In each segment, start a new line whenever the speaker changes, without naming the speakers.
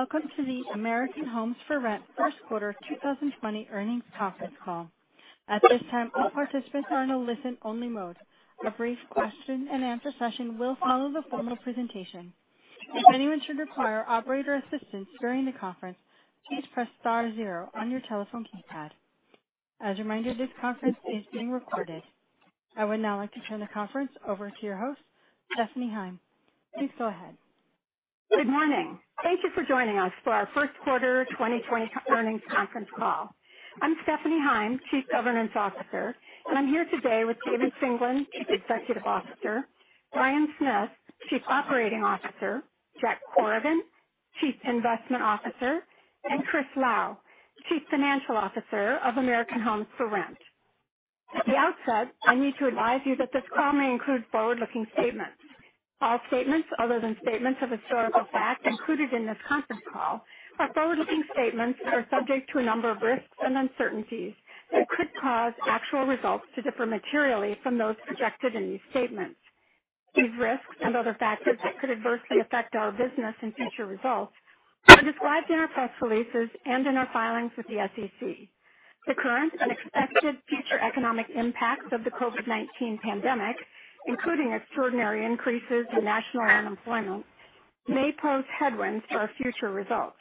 Welcome to the American Homes 4 Rent First Quarter 2020 Earnings Conference Call. At this time, all participants are in a listen only mode. A brief question and answer session will follow the formal presentation. If anyone should require operator assistance during the conference, please press star zero on your telephone keypad. As a reminder, this conference is being recorded. I would now like to turn the conference over to your host, Stephanie Heim. Please go ahead.
Good morning. Thank you for joining us for our first quarter 2020 earnings conference call. I'm Stephanie Heim, Chief Governance Officer, and I'm here today with David Singelyn, Chief Executive Officer, Bryan Smith, Chief Operating Officer, Jack Corrigan, Chief Investment Officer, and Chris Lau, Chief Financial Officer of American Homes 4 Rent. At the outset, I need to advise you that this call may include forward-looking statements. All statements other than statements of historical fact included in this conference call are forward-looking statements and are subject to a number of risks and uncertainties that could cause actual results to differ materially from those projected in these statements. These risks and other factors that could adversely affect our business and future results are described in our press releases and in our filings with the SEC. The current and expected future economic impacts of the COVID-19 pandemic, including extraordinary increases in national unemployment, may pose headwinds to our future results.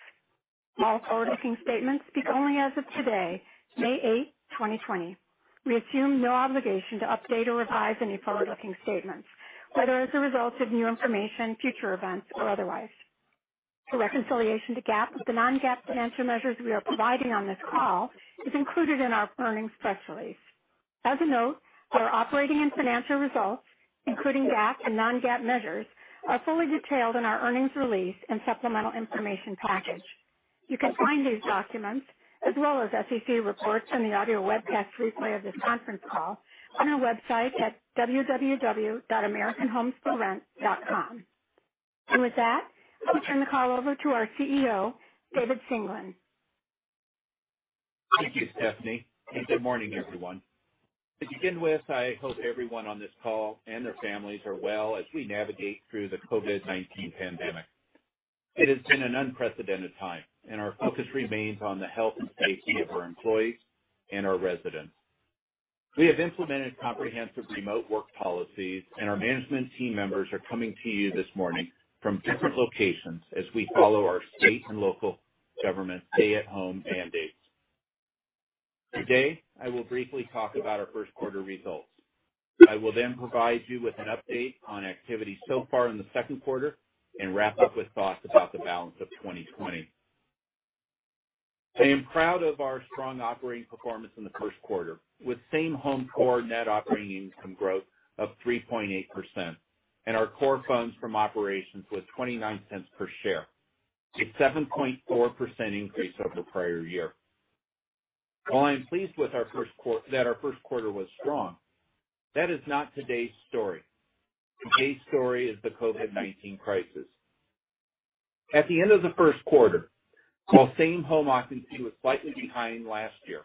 All forward-looking statements speak only as of today, May 8th, 2020. We assume no obligation to update or revise any forward-looking statements, whether as a result of new information, future events, or otherwise. The reconciliation to GAAP of the non-GAAP financial measures we are providing on this call is included in our earnings press release. As a note, our operating and financial results, including GAAP and non-GAAP measures, are fully detailed in our earnings release and supplemental information package. You can find these documents as well as SEC reports and the audio webcast replay of this conference call on our website at www.americanhomes4rent.com. With that, let me turn the call over to our CEO, David Singelyn.
Thank you, Stephanie, and good morning, everyone. To begin with, I hope everyone on this call and their families are well as we navigate through the COVID-19 pandemic. It has been an unprecedented time, and our focus remains on the health and safety of our employees and our residents. We have implemented comprehensive remote work policies, and our management team members are coming to you this morning from different locations as we follow our state and local government stay-at-home mandates. Today, I will briefly talk about our first quarter results. I will then provide you with an update on activity so far in the second quarter and wrap up with thoughts about the balance of 2020. I am proud of our strong operating performance in the first quarter with same-home core net operating income growth of 3.8% and our core funds from operations was $0.29 per share, a 7.4% increase over prior year. While I am pleased that our first quarter was strong, that is not today's story. Today's story is the COVID-19 crisis. At the end of the first quarter, while same-home occupancy was slightly behind last year,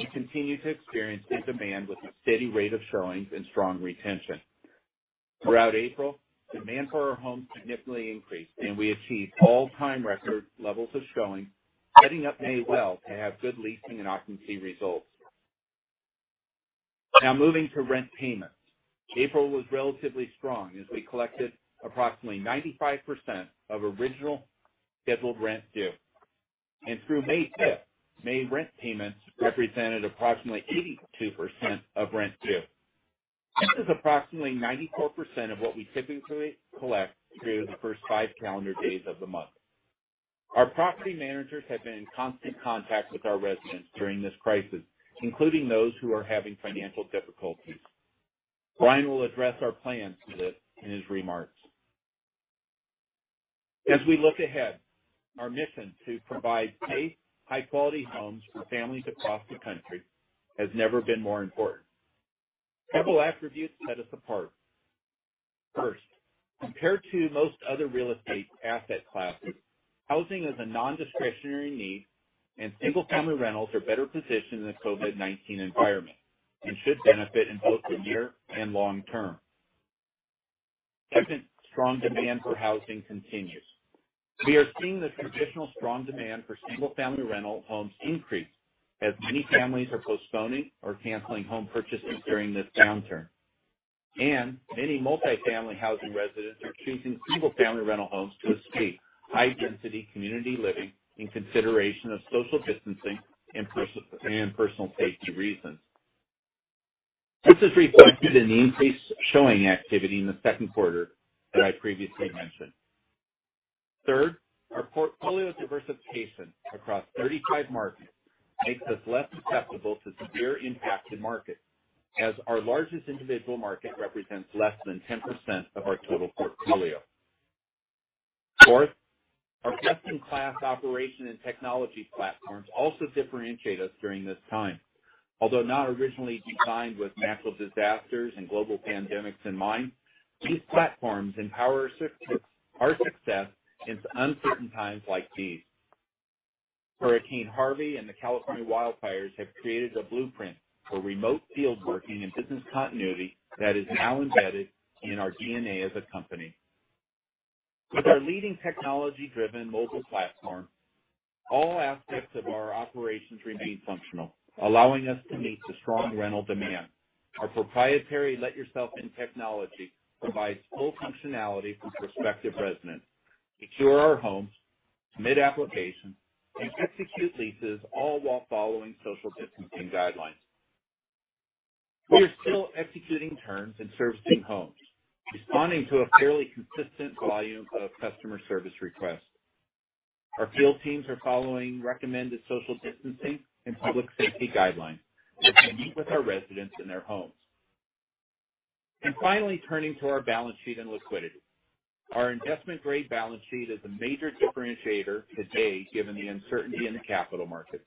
we continue to experience in demand with a steady rate of showings and strong retention. Throughout April, demand for our homes significantly increased, and we achieved all-time record levels of showing, setting up May well to have good leasing and occupancy results. Now moving to rent payments. April was relatively strong as we collected approximately 95% of original scheduled rent due. Through May 5th, May rent payments represented approximately 82% of rent due. This is approximately 94% of what we typically collect through the first five calendar days of the month. Our property managers have been in constant contact with our residents during this crisis, including those who are having financial difficulties. Bryan will address our plans for this in his remarks. As we look ahead, our mission to provide safe, high-quality homes for families across the country has never been more important. Several attributes set us apart. First, compared to most other real estate asset classes, housing is a non-discretionary need, and single-family rentals are better positioned in the COVID-19 environment and should benefit in both the near and long term. Second, strong demand for housing continues. We are seeing the traditional strong demand for single-family rental homes increase as many families are postponing or canceling home purchases during this downturn. Many multi-family housing residents are choosing single-family rental homes to escape high-density community living in consideration of social distancing and personal safety reasons. This is reflected in the increased showing activity in the second quarter that I previously mentioned. Third, our portfolio diversification across 35 markets makes us less susceptible to severe impacted markets, as our largest individual market represents less than 10% of our total portfolio. Fourth, our best-in-class operation and technology platforms also differentiate us during this time. Although not originally designed with natural disasters and global pandemics in mind, these platforms empower our success in uncertain times like these. Hurricane Harvey and the California wildfires have created a blueprint for remote field working and business continuity that is now embedded in our DNA as a company. With our leading technology-driven mobile platform, all aspects of our operations remain functional, allowing us to meet the strong rental demand. Our proprietary Let Yourself In technology provides full functionality for prospective residents to tour our homes, submit applications, and execute leases, all while following social distancing guidelines. We are still executing turns and servicing homes, responding to a fairly consistent volume of customer service requests. Our field teams are following recommended social distancing and public safety guidelines as they meet with our residents in their homes. Finally, turning to our balance sheet and liquidity. Our investment-grade balance sheet is a major differentiator today, given the uncertainty in the capital markets.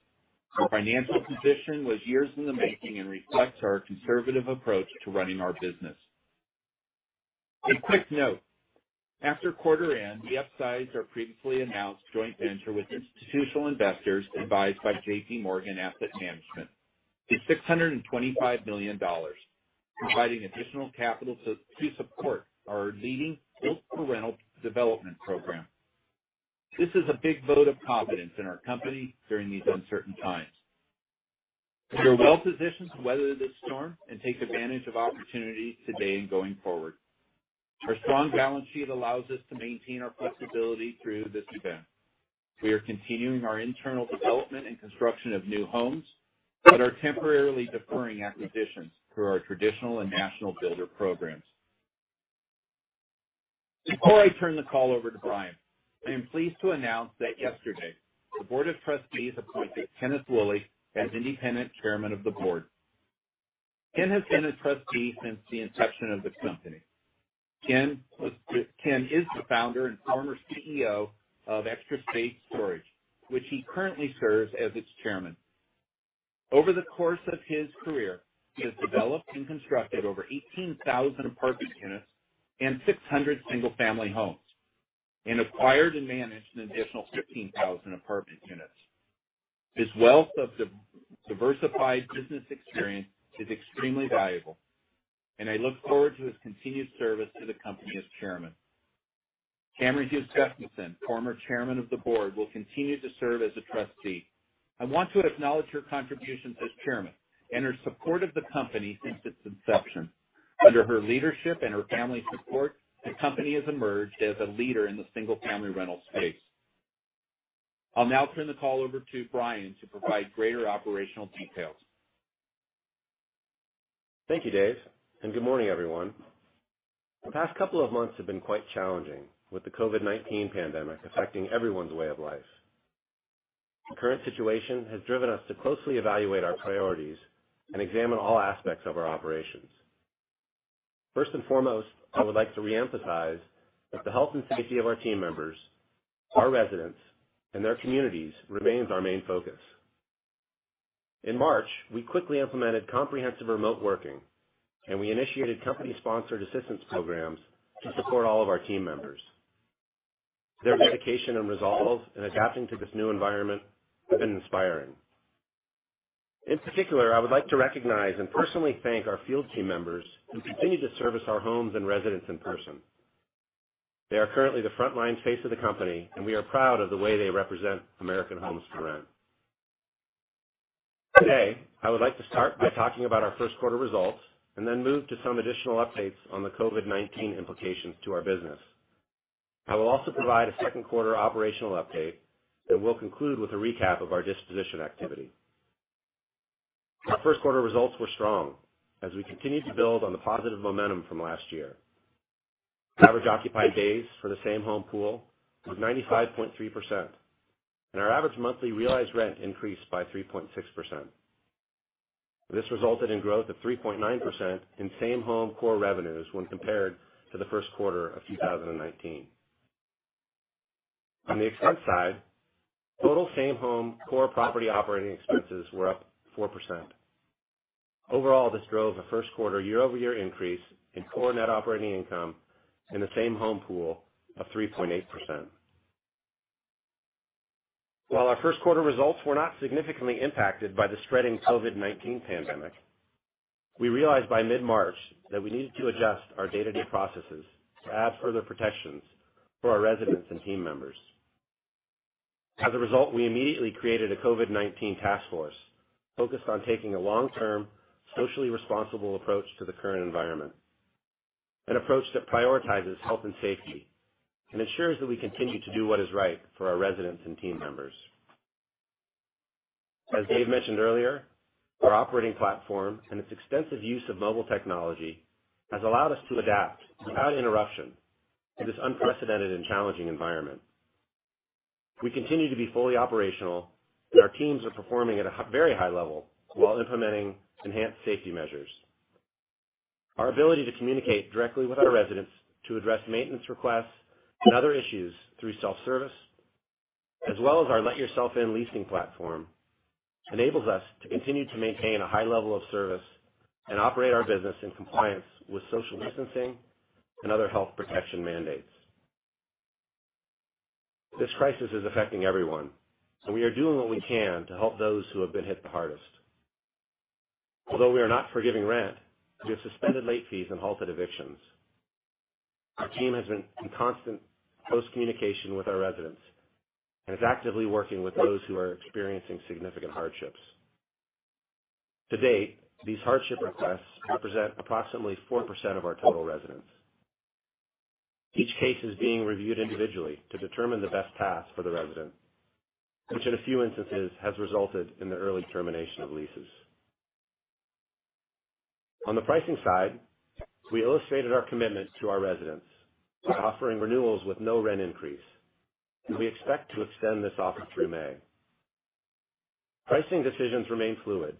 Our financial position was years in the making and reflects our conservative approach to running our business. A quick note. After quarter end, we upsized our previously announced joint venture with institutional investors advised by J.P. Morgan Asset Management to $625 million, providing additional capital to support our leading built-for-rental development program. This is a big vote of confidence in our company during these uncertain times. We are well-positioned to weather this storm and take advantage of opportunities today and going forward. Our strong balance sheet allows us to maintain our flexibility through this event. We are continuing our internal development and construction of new homes but are temporarily deferring acquisitions through our traditional and national builder programs. Before I turn the call over to Bryan, I am pleased to announce that yesterday the Board of Trustees appointed Kenneth Woolley as independent Chairman of the Board. Ken has been a Trustee since the inception of the company. Ken is the Founder and former CEO of Extra Space Storage, which he currently serves as its Chairman. Over the course of his career, he has developed and constructed over 18,000 apartment units and 600 single-family homes, and acquired and managed an additional 15,000 apartment units. His wealth of diversified business experience is extremely valuable, and I look forward to his continued service to the company as Chairman., Tamara Hughes Gustavson, former Chairman of the Board, will continue to serve as a Trustee. I want to acknowledge her contributions as Chairman and her support of the company since its inception. Under her leadership and her family's support, the company has emerged as a leader in the single-family rental space. I'll now turn the call over to Bryan to provide greater operational details.
Thank you, Dave. Good morning, everyone. The past couple of months have been quite challenging, with the COVID-19 pandemic affecting everyone's way of life. The current situation has driven us to closely evaluate our priorities and examine all aspects of our operations. First and foremost, I would like to reemphasize that the health and safety of our team members, our residents, and their communities remains our main focus. In March, we quickly implemented comprehensive remote working, and we initiated company-sponsored assistance programs to support all of our team members. Their dedication and resolve in adapting to this new environment have been inspiring. In particular, I would like to recognize and personally thank our field team members who continue to service our homes and residents in person. They are currently the frontline face of the company, and we are proud of the way they represent American Homes 4 Rent. Today, I would like to start by talking about our first quarter results and then move to some additional updates on the COVID-19 implications to our business. I will also provide a second quarter operational update that will conclude with a recap of our disposition activity. Our first quarter results were strong as we continued to build on the positive momentum from last year. Average occupied days for the same-home pool was 95.3%, and our average monthly realized rent increased by 3.6%. This resulted in growth of 3.9% in same-home core revenues when compared to the first quarter of 2019. On the expense side, total same-home core property operating expenses were up 4%. Overall, this drove a first quarter year-over-year increase in core net operating income in the same-home pool of 3.8%. While our first quarter results were not significantly impacted by the spreading COVID-19 pandemic, we realized by mid-March that we needed to adjust our day-to-day processes to add further protections for our residents and team members. As a result, we immediately created a COVID-19 task force focused on taking a long-term, socially responsible approach to the current environment, an approach that prioritizes health and safety and ensures that we continue to do what is right for our residents and team members. As Dave mentioned earlier, our operating platform and its extensive use of mobile technology has allowed us to adapt without interruption in this unprecedented and challenging environment. We continue to be fully operational, and our teams are performing at a very high level while implementing enhanced safety measures. Our ability to communicate directly with our residents to address maintenance requests and other issues through self-service, as well as our Let Yourself In leasing platform enables us to continue to maintain a high level of service and operate our business in compliance with social distancing and other health protection mandates. This crisis is affecting everyone, we are doing what we can to help those who have been hit the hardest. Although we are not forgiving rent, we have suspended late fees and halted evictions. Our team has been in constant close communication with our residents and is actively working with those who are experiencing significant hardships. To date, these hardship requests represent approximately 4% of our total residents. Each case is being reviewed individually to determine the best path for the resident, which in a few instances has resulted in the early termination of leases. On the pricing side, we illustrated our commitment to our residents by offering renewals with no rent increase. We expect to extend this offer through May. Pricing decisions remain fluid.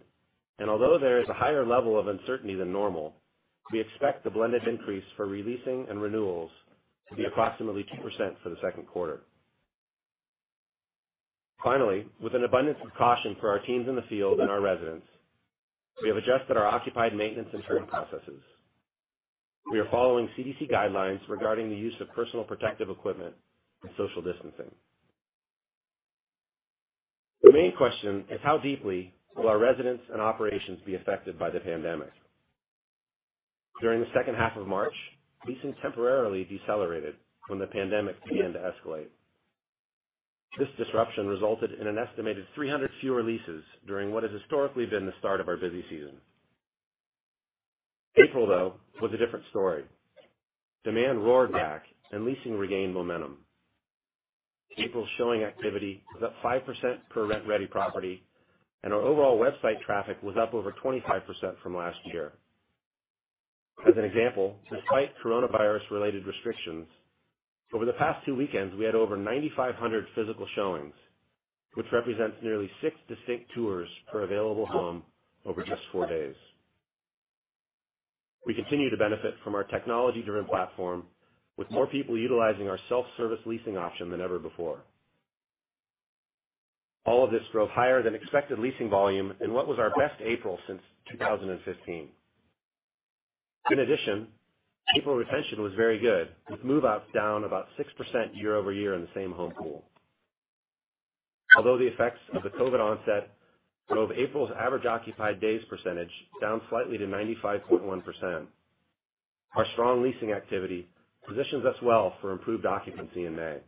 Although there is a higher level of uncertainty than normal, we expect the blended increase for re-leasing and renewals to be approximately 2% for the second quarter. Finally, with an abundance of caution for our teams in the field and our residents, we have adjusted our occupied maintenance and turn processes. We are following CDC guidelines regarding the use of personal protective equipment and social distancing. The main question is how deeply will our residents and operations be affected by the pandemic? During the second half of March, leasing temporarily decelerated when the pandemic began to escalate. This disruption resulted in an estimated 300 fewer leases during what has historically been the start of our busy season. April, though, was a different story. Demand roared back and leasing regained momentum. April showing activity was up 5% per rent-ready property, and our overall website traffic was up over 25% from last year. As an example, despite coronavirus-related restrictions, over the past two weekends, we had over 9,500 physical showings, which represents nearly six distinct tours per available home over just four days. We continue to benefit from our technology-driven platform, with more people utilizing our self-service leasing option than ever before. All of this drove higher than expected leasing volume in what was our best April since 2015. In addition, April retention was very good, with move-out down about 6% year-over-year in the same-home pool. Although the effects of the COVID onset drove April's average occupied days percentage down slightly to 95.1%, our strong leasing activity positions us well for improved occupancy in May.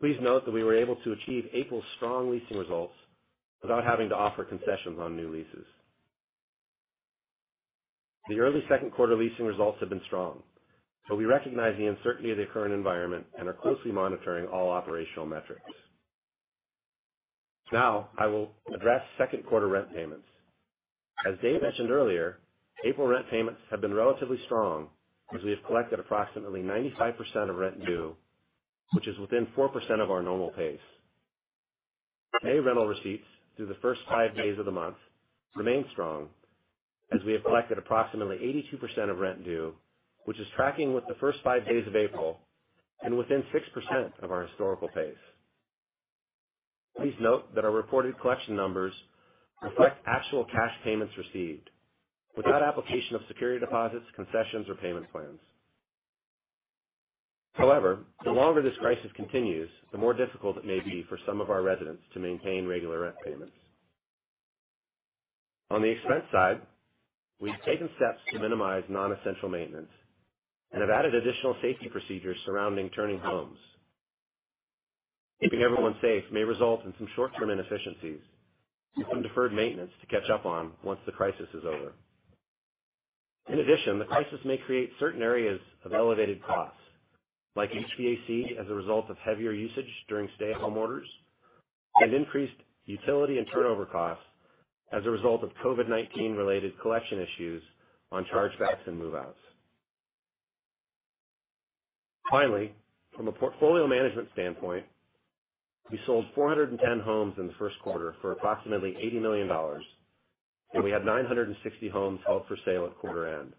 Please note that we were able to achieve April's strong leasing results without having to offer concessions on new leases. The early second quarter leasing results have been strong, but we recognize the uncertainty of the current environment and are closely monitoring all operational metrics. Now, I will address second quarter rent payments. As Dave mentioned earlier, April rent payments have been relatively strong as we have collected approximately 95% of rent due, which is within 4% of our normal pace. May rental receipts through the first five days of the month remain strong as we have collected approximately 82% of rent due, which is tracking with the first five days of April and within 6% of our historical pace. Please note that our reported collection numbers reflect actual cash payments received without application of security deposits, concessions, or payment plans. However, the longer this crisis continues, the more difficult it may be for some of our residents to maintain regular rent payments. On the expense side, we've taken steps to minimize non-essential maintenance and have added additional safety procedures surrounding turning homes. Keeping everyone safe may result in some short-term inefficiencies and some deferred maintenance to catch up on once the crisis is over. In addition, the crisis may create certain areas of elevated costs, like HVAC as a result of heavier usage during stay-at-home orders, and increased utility and turnover costs as a result of COVID-19-related collection issues on charge-backs and move-outs. Finally, from a portfolio management standpoint, we sold 410 homes in the first quarter for approximately $80 million, and we had 960 homes held for sale at quarter end.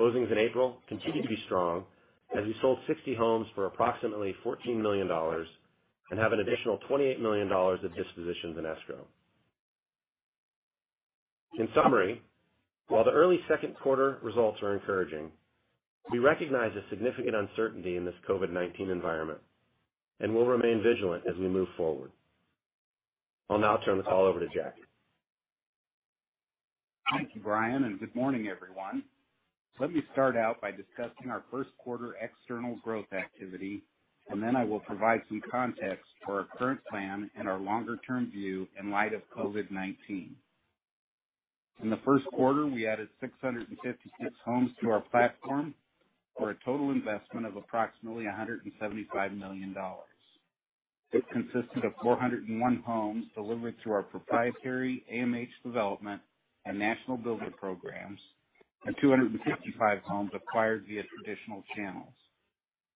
Closings in April continued to be strong as we sold 60 homes for approximately $14 million and have an additional $28 million of dispositions in escrow. In summary, while the early second quarter results are encouraging, we recognize the significant uncertainty in this COVID-19 environment and will remain vigilant as we move forward. I'll now turn the call over to Jack.
Thank you, Bryan, and good morning, everyone. Let me start out by discussing our first quarter external growth activity, and then I will provide some context for our current plan and our longer-term view in light of COVID-19. In the first quarter, we added 656 homes to our platform for a total investment of approximately $175 million. It consisted of 401 homes delivered through our proprietary AMH development and national builder programs, and 255 homes acquired via traditional channels.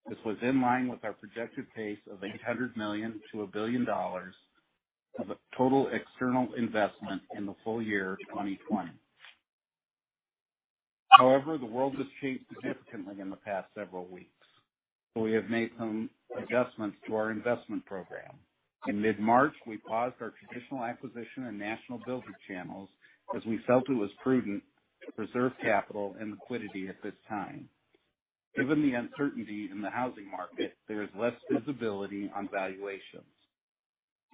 This was in line with our projected pace of $800 million-$1 billion of total external investment in the full year 2020. However, the world has changed significantly in the past several weeks. We have made some adjustments to our investment program. In mid-March, we paused our traditional acquisition and national builder channels as we felt it was prudent to preserve capital and liquidity at this time. Given the uncertainty in the housing market, there is less visibility on valuations.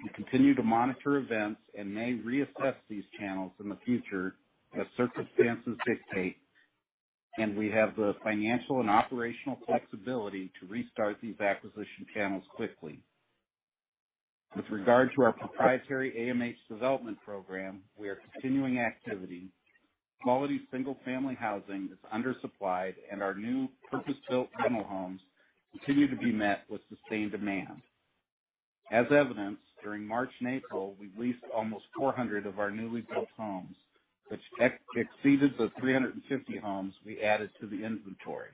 We continue to monitor events and may reassess these channels in the future as circumstances dictate, and we have the financial and operational flexibility to restart these acquisition channels quickly. With regard to our proprietary AMH development program, we are continuing activity. Quality single-family housing is undersupplied, and our new purpose-built rental homes continue to be met with sustained demand. As evidenced, during March and April, we leased almost 400 of our newly built homes, which exceeded the 350 homes we added to the inventory.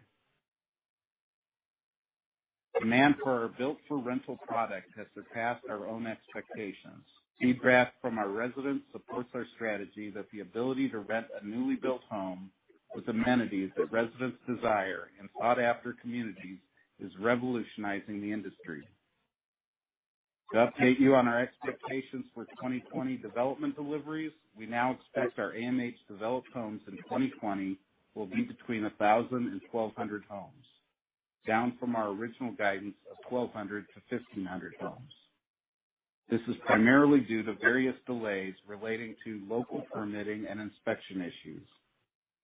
Demand for our built-for-rental product has surpassed our own expectations. Feedback from our residents supports our strategy that the ability to rent a newly built home with amenities that residents desire in sought-after communities is revolutionizing the industry. To update you on our expectations for 2020 development deliveries, we now expect our AMH-developed homes in 2020 will be between 1,000 and 1,200 homes, down from our original guidance of 1,200 to 1,500 homes. This is primarily due to various delays relating to local permitting and inspection issues.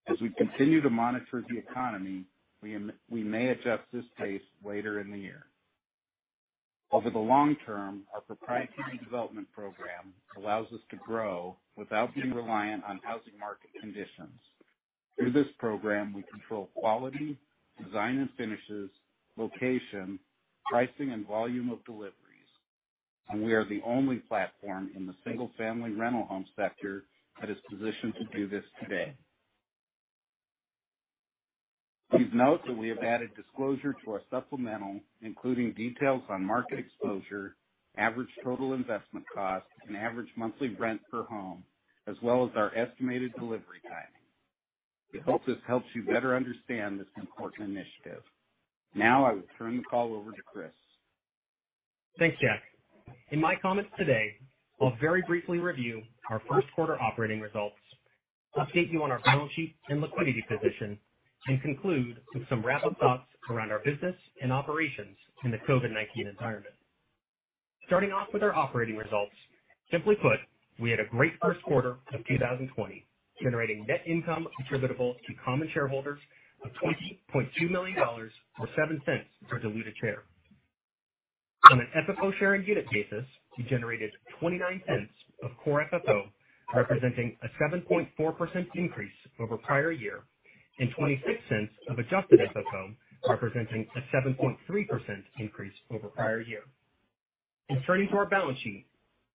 As we continue to monitor the economy, we may adjust this pace later in the year. Over the long term, our proprietary development program allows us to grow without being reliant on housing market conditions. Through this program, we control quality, design and finishes, location, pricing, and volume of deliveries, and we are the only platform in the single-family rental home sector that is positioned to do this today. Please note that we have added disclosure to our supplemental, including details on market exposure, average total investment cost, and average monthly rent per home, as well as our estimated delivery timing. We hope this helps you better understand this important initiative. Now I will turn the call over to Chris.
Thanks, Jack. In my comments today, I'll very briefly review our first quarter operating results, update you on our balance sheet and liquidity position, and conclude with some wrap-up thoughts around our business and operations in the COVID-19 environment. Starting off with our operating results, simply put, we had a great first quarter of 2020, generating net income attributable to common shareholders of $20.2 million, or $0.07 per diluted share. On an FFO share and unit basis, we generated $0.29 of core FFO, representing a 7.4% increase over prior year, and $0.26 of adjusted FFO, representing a 7.3% increase over prior year. Turning to our balance sheet,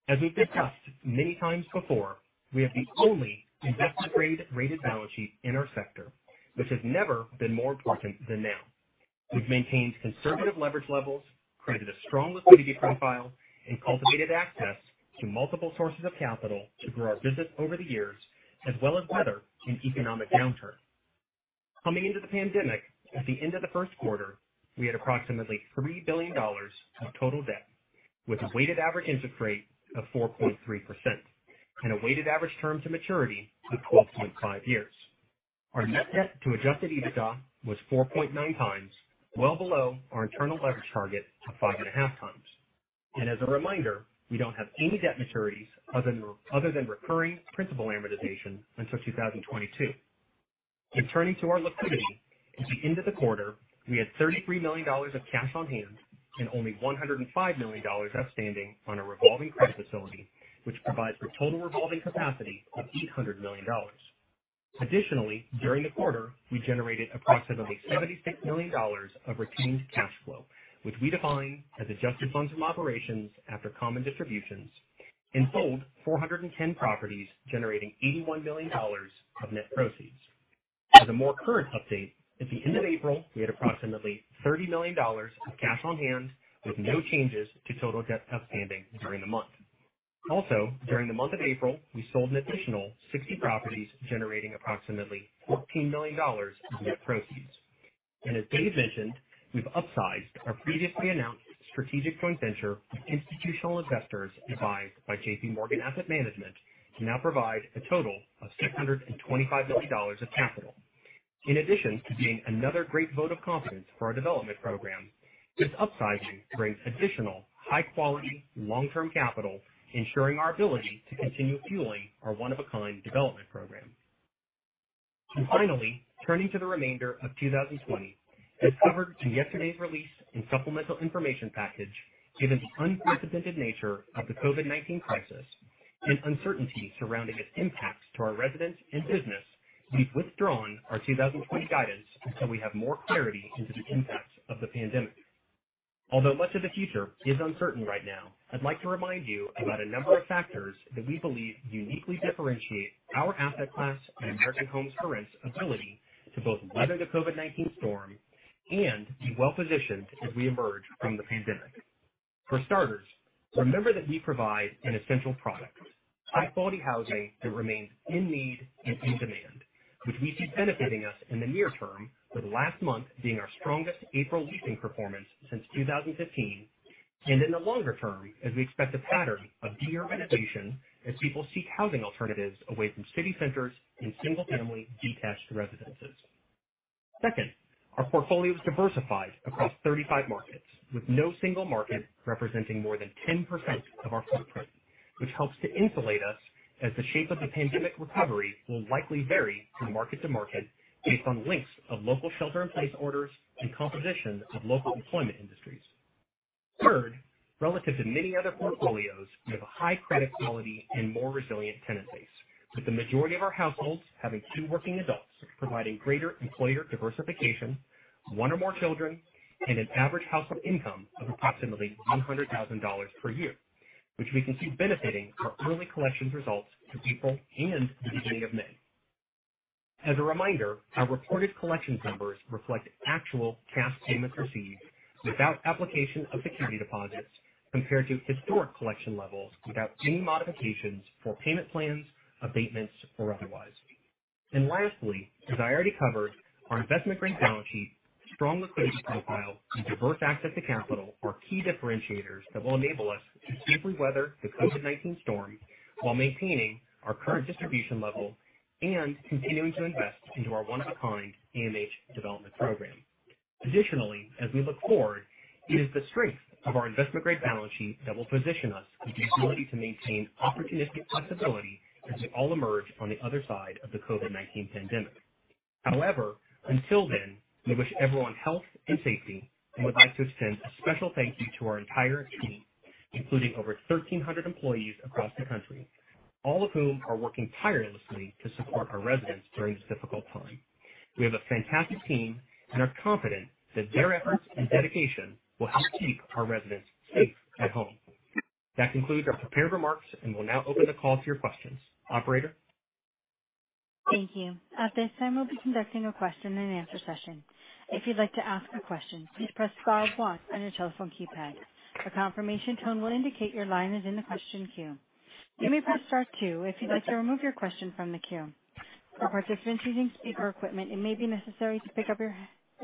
as we've discussed many times before, we have the only investment-grade rated balance sheet in our sector, which has never been more important than now. We've maintained conservative leverage levels, created a strong liquidity profile, and cultivated access to multiple sources of capital to grow our business over the years, as well as weather an economic downturn. Coming into the pandemic, at the end of the first quarter, we had approximately $3 billion of total debt, with a weighted average interest rate of 4.3% and a weighted average term to maturity of 12.5 years. Our net debt to adjusted EBITDA was 4.9x, well below our internal leverage target of 5.5x. As a reminder, we don't have any debt maturities other than recurring principal amortization until 2022. Turning to our liquidity, at the end of the quarter, we had $33 million of cash on hand and only $105 million outstanding on a revolving credit facility, which provides for total revolving capacity of $800 million. Additionally, during the quarter, we generated approximately $76 million of retained cash flow, which we define as adjusted funds from operations after common distributions, and sold 410 properties, generating $81 million of net proceeds. As a more current update, at the end of April, we had approximately $30 million of cash on hand, with no changes to total debt outstanding during the month. During the month of April, we sold an additional 60 properties, generating approximately $14 million in net proceeds. As Dave mentioned, we've upsized our previously announced strategic joint venture with institutional investors advised by J.P. Morgan Asset Management to now provide a total of $625 million of capital. In addition to being another great vote of confidence for our development program, this upsizing brings additional high-quality, long-term capital, ensuring our ability to continue fueling our one-of-a-kind development program. Finally, turning to the remainder of 2020. As covered in yesterday's release and supplemental information package, given the unprecedented nature of the COVID-19 crisis and uncertainty surrounding its impacts to our residents and business, we've withdrawn our 2020 guidance until we have more clarity into the impacts of the pandemic. Although much of the future is uncertain right now, I'd like to remind you about a number of factors that we believe uniquely differentiate our asset class and American Homes 4 Rent's ability to both weather the COVID-19 storm and be well-positioned as we emerge from the pandemic. For starters, remember that we provide an essential product, high-quality housing that remains in need and in demand, which we see benefiting us in the near term, with last month being our strongest April leasing performance since 2015, and in the longer term, as we expect a pattern of de-urbanization as people seek housing alternatives away from city centers in single-family detached residences. Second, our portfolio is diversified across 35 markets, with no single market representing more than 10% of our footprint, which helps to insulate us as the shape of the pandemic recovery will likely vary from market to market based on lengths of local shelter-in-place orders and composition of local employment industries. Third, relative to many other portfolios, we have a high credit quality and more resilient tenant base, with the majority of our households having two working adults, providing greater employer diversification, one or more children, and an average household income of approximately $100,000 per year, which we can see benefiting our early collections results through April and the beginning of May. As a reminder, our reported collections numbers reflect actual cash payments received without application of security deposits compared to historic collection levels without any modifications for payment plans, abatements, or otherwise. Lastly, as I already covered, our investment-grade balance sheet, strong liquidity profile, and diverse access to capital are key differentiators that will enable us to safely weather the COVID-19 storm while maintaining our current distribution level and continuing to invest into our one-of-a-kind AMH development program. Additionally, as we look forward, it is the strength of our investment-grade balance sheet that will position us with the ability to maintain opportunistic flexibility as we all emerge on the other side of the COVID-19 pandemic. However, until then, we wish everyone health and safety and would like to extend a special thank you to our entire team, including over 1,300 employees across the country, all of whom are working tirelessly to support our residents during this difficult time. We have a fantastic team and are confident that their efforts and dedication will help keep our residents safe at home. That concludes our prepared remarks, and we'll now open the call to your questions. Operator?
Thank you. At this time, we'll be conducting a question and answer session. If you'd like to ask a question, please press star one on your telephone keypad. A confirmation tone will indicate your line is in the question queue. You may press star two if you'd like to remove your question from the queue. For participants using speaker equipment, it may be necessary to pick up your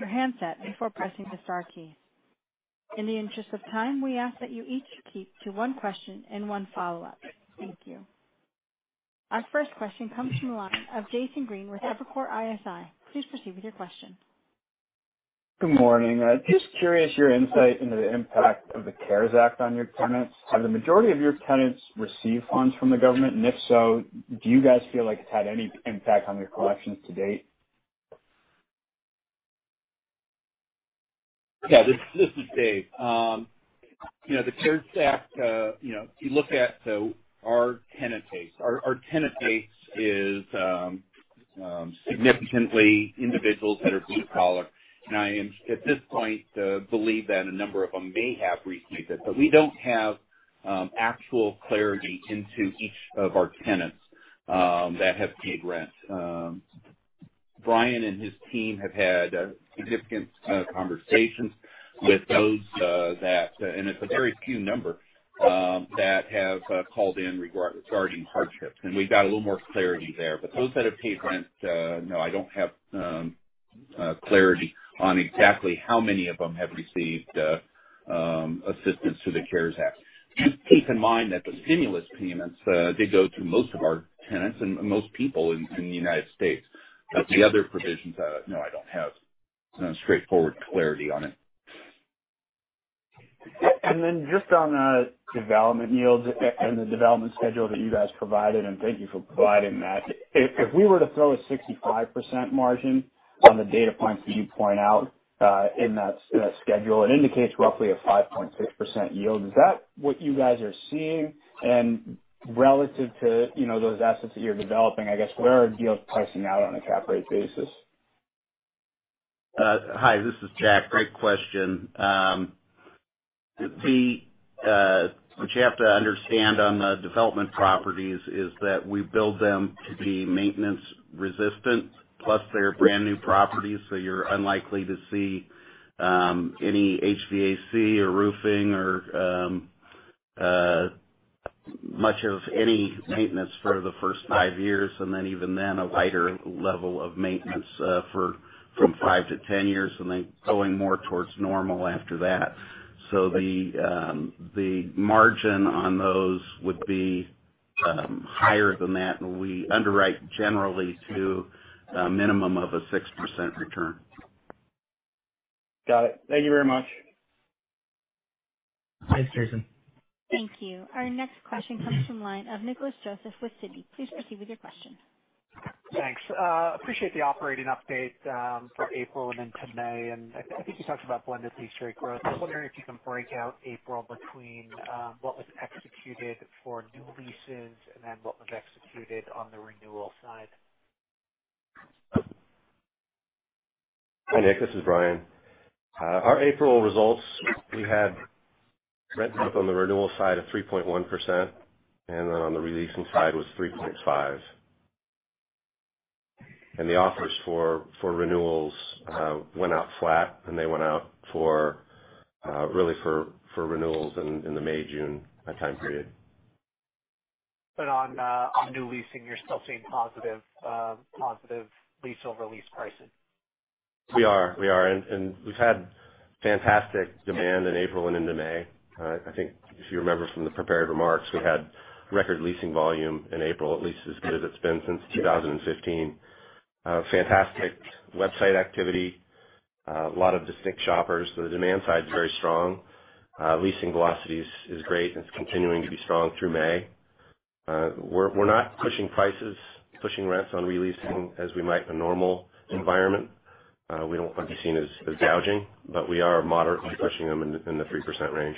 handset before pressing the star key. In the interest of time, we ask that you each keep to one question and one follow-up. Thank you. Our first question comes from the line of Jason Green with Evercore ISI. Please proceed with your question.
Good morning. Just curious your insight into the impact of the CARES Act on your tenants. Have the majority of your tenants received funds from the government, and if so, do you guys feel like it's had any impact on your collections to date?
Yeah, this is Dave. The CARES Act, if you look at our tenant base, our tenant base is significantly individuals that are blue collar. I, at this point, believe that a number of them may have received it. We don't have actual clarity into each of our tenants that have paid rent. Bryan and his team have had significant conversations with those that, and it's a very few number, that have called in regarding hardships. We've got a little more clarity there. Those that have paid rent, no, I don't have clarity on exactly how many of them have received assistance through the CARES Act. Just keep in mind that the stimulus payments did go to most of our tenants and most people in the United States. The other provisions, no, I don't have straightforward clarity on it.
Just on the development yields and the development schedule that you guys provided, thank you for providing that. If we were to throw a 65% margin on the data points that you point out in that schedule, it indicates roughly a 5.6% yield. Is that what you guys are seeing? Relative to those assets that you're developing, I guess, where are yields pricing out on a cap rate basis?
Hi, this is Jack. Great question. What you have to understand on the development properties is that we build them to be maintenance resistant. Plus, they're brand-new properties, so you're unlikely to see any HVAC or roofing or much of any maintenance for the first five years, and then even then, a lighter level of maintenance from 5-10 years, and then going more towards normal after that. The margin on those would be higher than that, and we underwrite generally to a minimum of a 6% return.
Got it. Thank you very much.
Thanks, Jason.
Thank you. Our next question comes from line of Nicholas Joseph with Citi. Please proceed with your question.
Thanks. Appreciate the operating update for April and into May. I think you talked about blended lease rate growth. I was wondering if you can break out April between what was executed for new leases and then what was executed on the renewal side.
Hi, Nick. This is Bryan. Our April results, we had rent up on the renewal side of 3.1%, on the re-leasing side was 3.5%. The offers for renewals went out flat, and they went out really for renewals in the May, June time period.
On new leasing, you're still seeing positive lease-over-lease pricing?
We are. We've had fantastic demand in April and into May. I think if you remember from the prepared remarks, we had record leasing volume in April, at least as good as it's been since 2015. Fantastic website activity. A lot of distinct shoppers. The demand side's very strong. Leasing velocity is great, and it's continuing to be strong through May. We're not pushing prices, pushing rents on re-leasing as we might in a normal environment. We don't want to be seen as gouging, but we are moderately pushing them in the 3% range.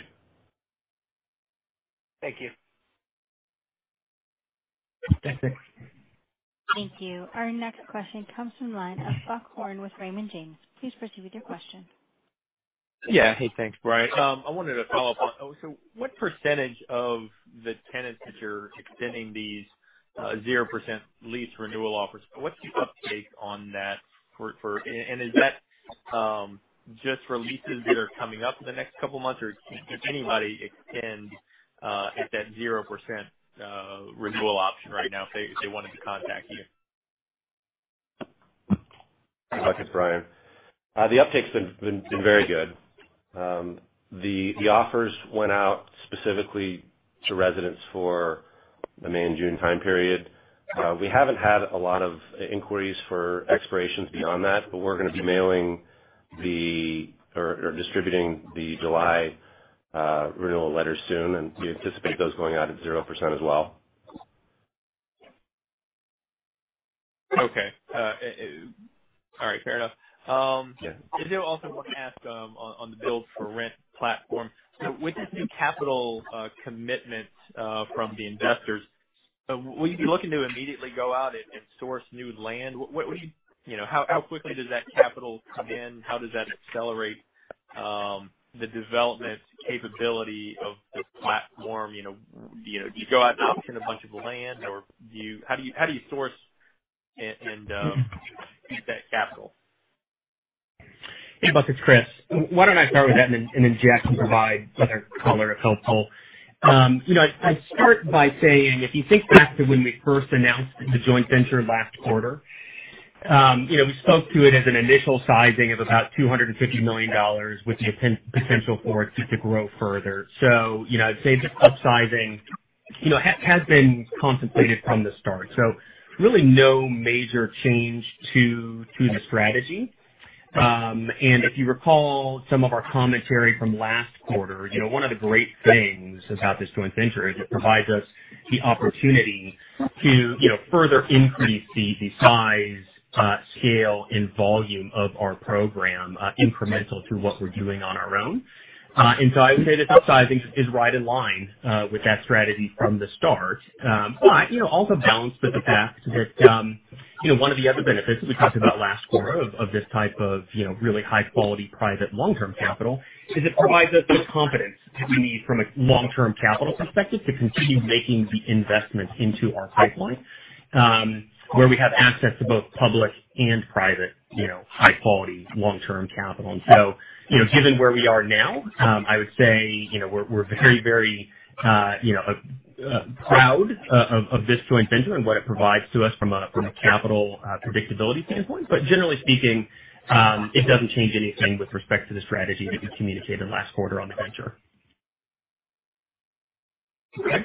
Thank you.
Thank you. Our next question comes from the line of Buck Horne with Raymond James. Please proceed with your question.
Yeah. Hey, thanks, Bryan. What percentage of the tenants that you're extending these 0% lease renewal offers, what's the uptake on that? Is that just for leases that are coming up in the next couple of months, or can anybody extend at that 0% renewal option right now if they wanted to contact you?
Buck, it's Bryan. The uptake's been very good. The offers went out specifically to residents for the May and June time period. We haven't had a lot of inquiries for expirations beyond that, but we're going to be mailing or distributing the July renewal letters soon, and we anticipate those going out at 0% as well.
Okay. All right. Fair enough.
Yeah.
I do also want to ask on the Build for Rent platform, with this new capital commitment from the investors, will you be looking to immediately go out and source new land? How quickly does that capital come in? How does that accelerate the development capability of the platform? Do you go out and option a bunch of land, or how do you source and use that capital?
Hey, Buck, it's Chris. Why don't I start with that, and then Jack can provide whatever color is helpful. I start by saying, if you think back to when we first announced the joint venture last quarter, we spoke to it as an initial sizing of about $250 million, with the potential for it to grow further. I'd say this upsizing has been contemplated from the start. Really no major change to the strategy. If you recall some of our commentary from last quarter, one of the great things about this joint venture is it provides us the opportunity to further increase the size, scale, and volume of our program incremental to what we're doing on our own. I would say this upsizing is right in line with that strategy from the start. Also balanced with the fact that one of the other benefits we talked about last quarter of this type of really high-quality private long-term capital is it provides us the confidence that we need from a long-term capital perspective to continue making the investments into our pipeline where we have access to both public and private high-quality long-term capital. Given where we are now, I would say we're very proud of this joint venture and what it provides to us from a capital predictability standpoint. Generally speaking, it doesn't change anything with respect to the strategy that we communicated last quarter on the venture.
Okay.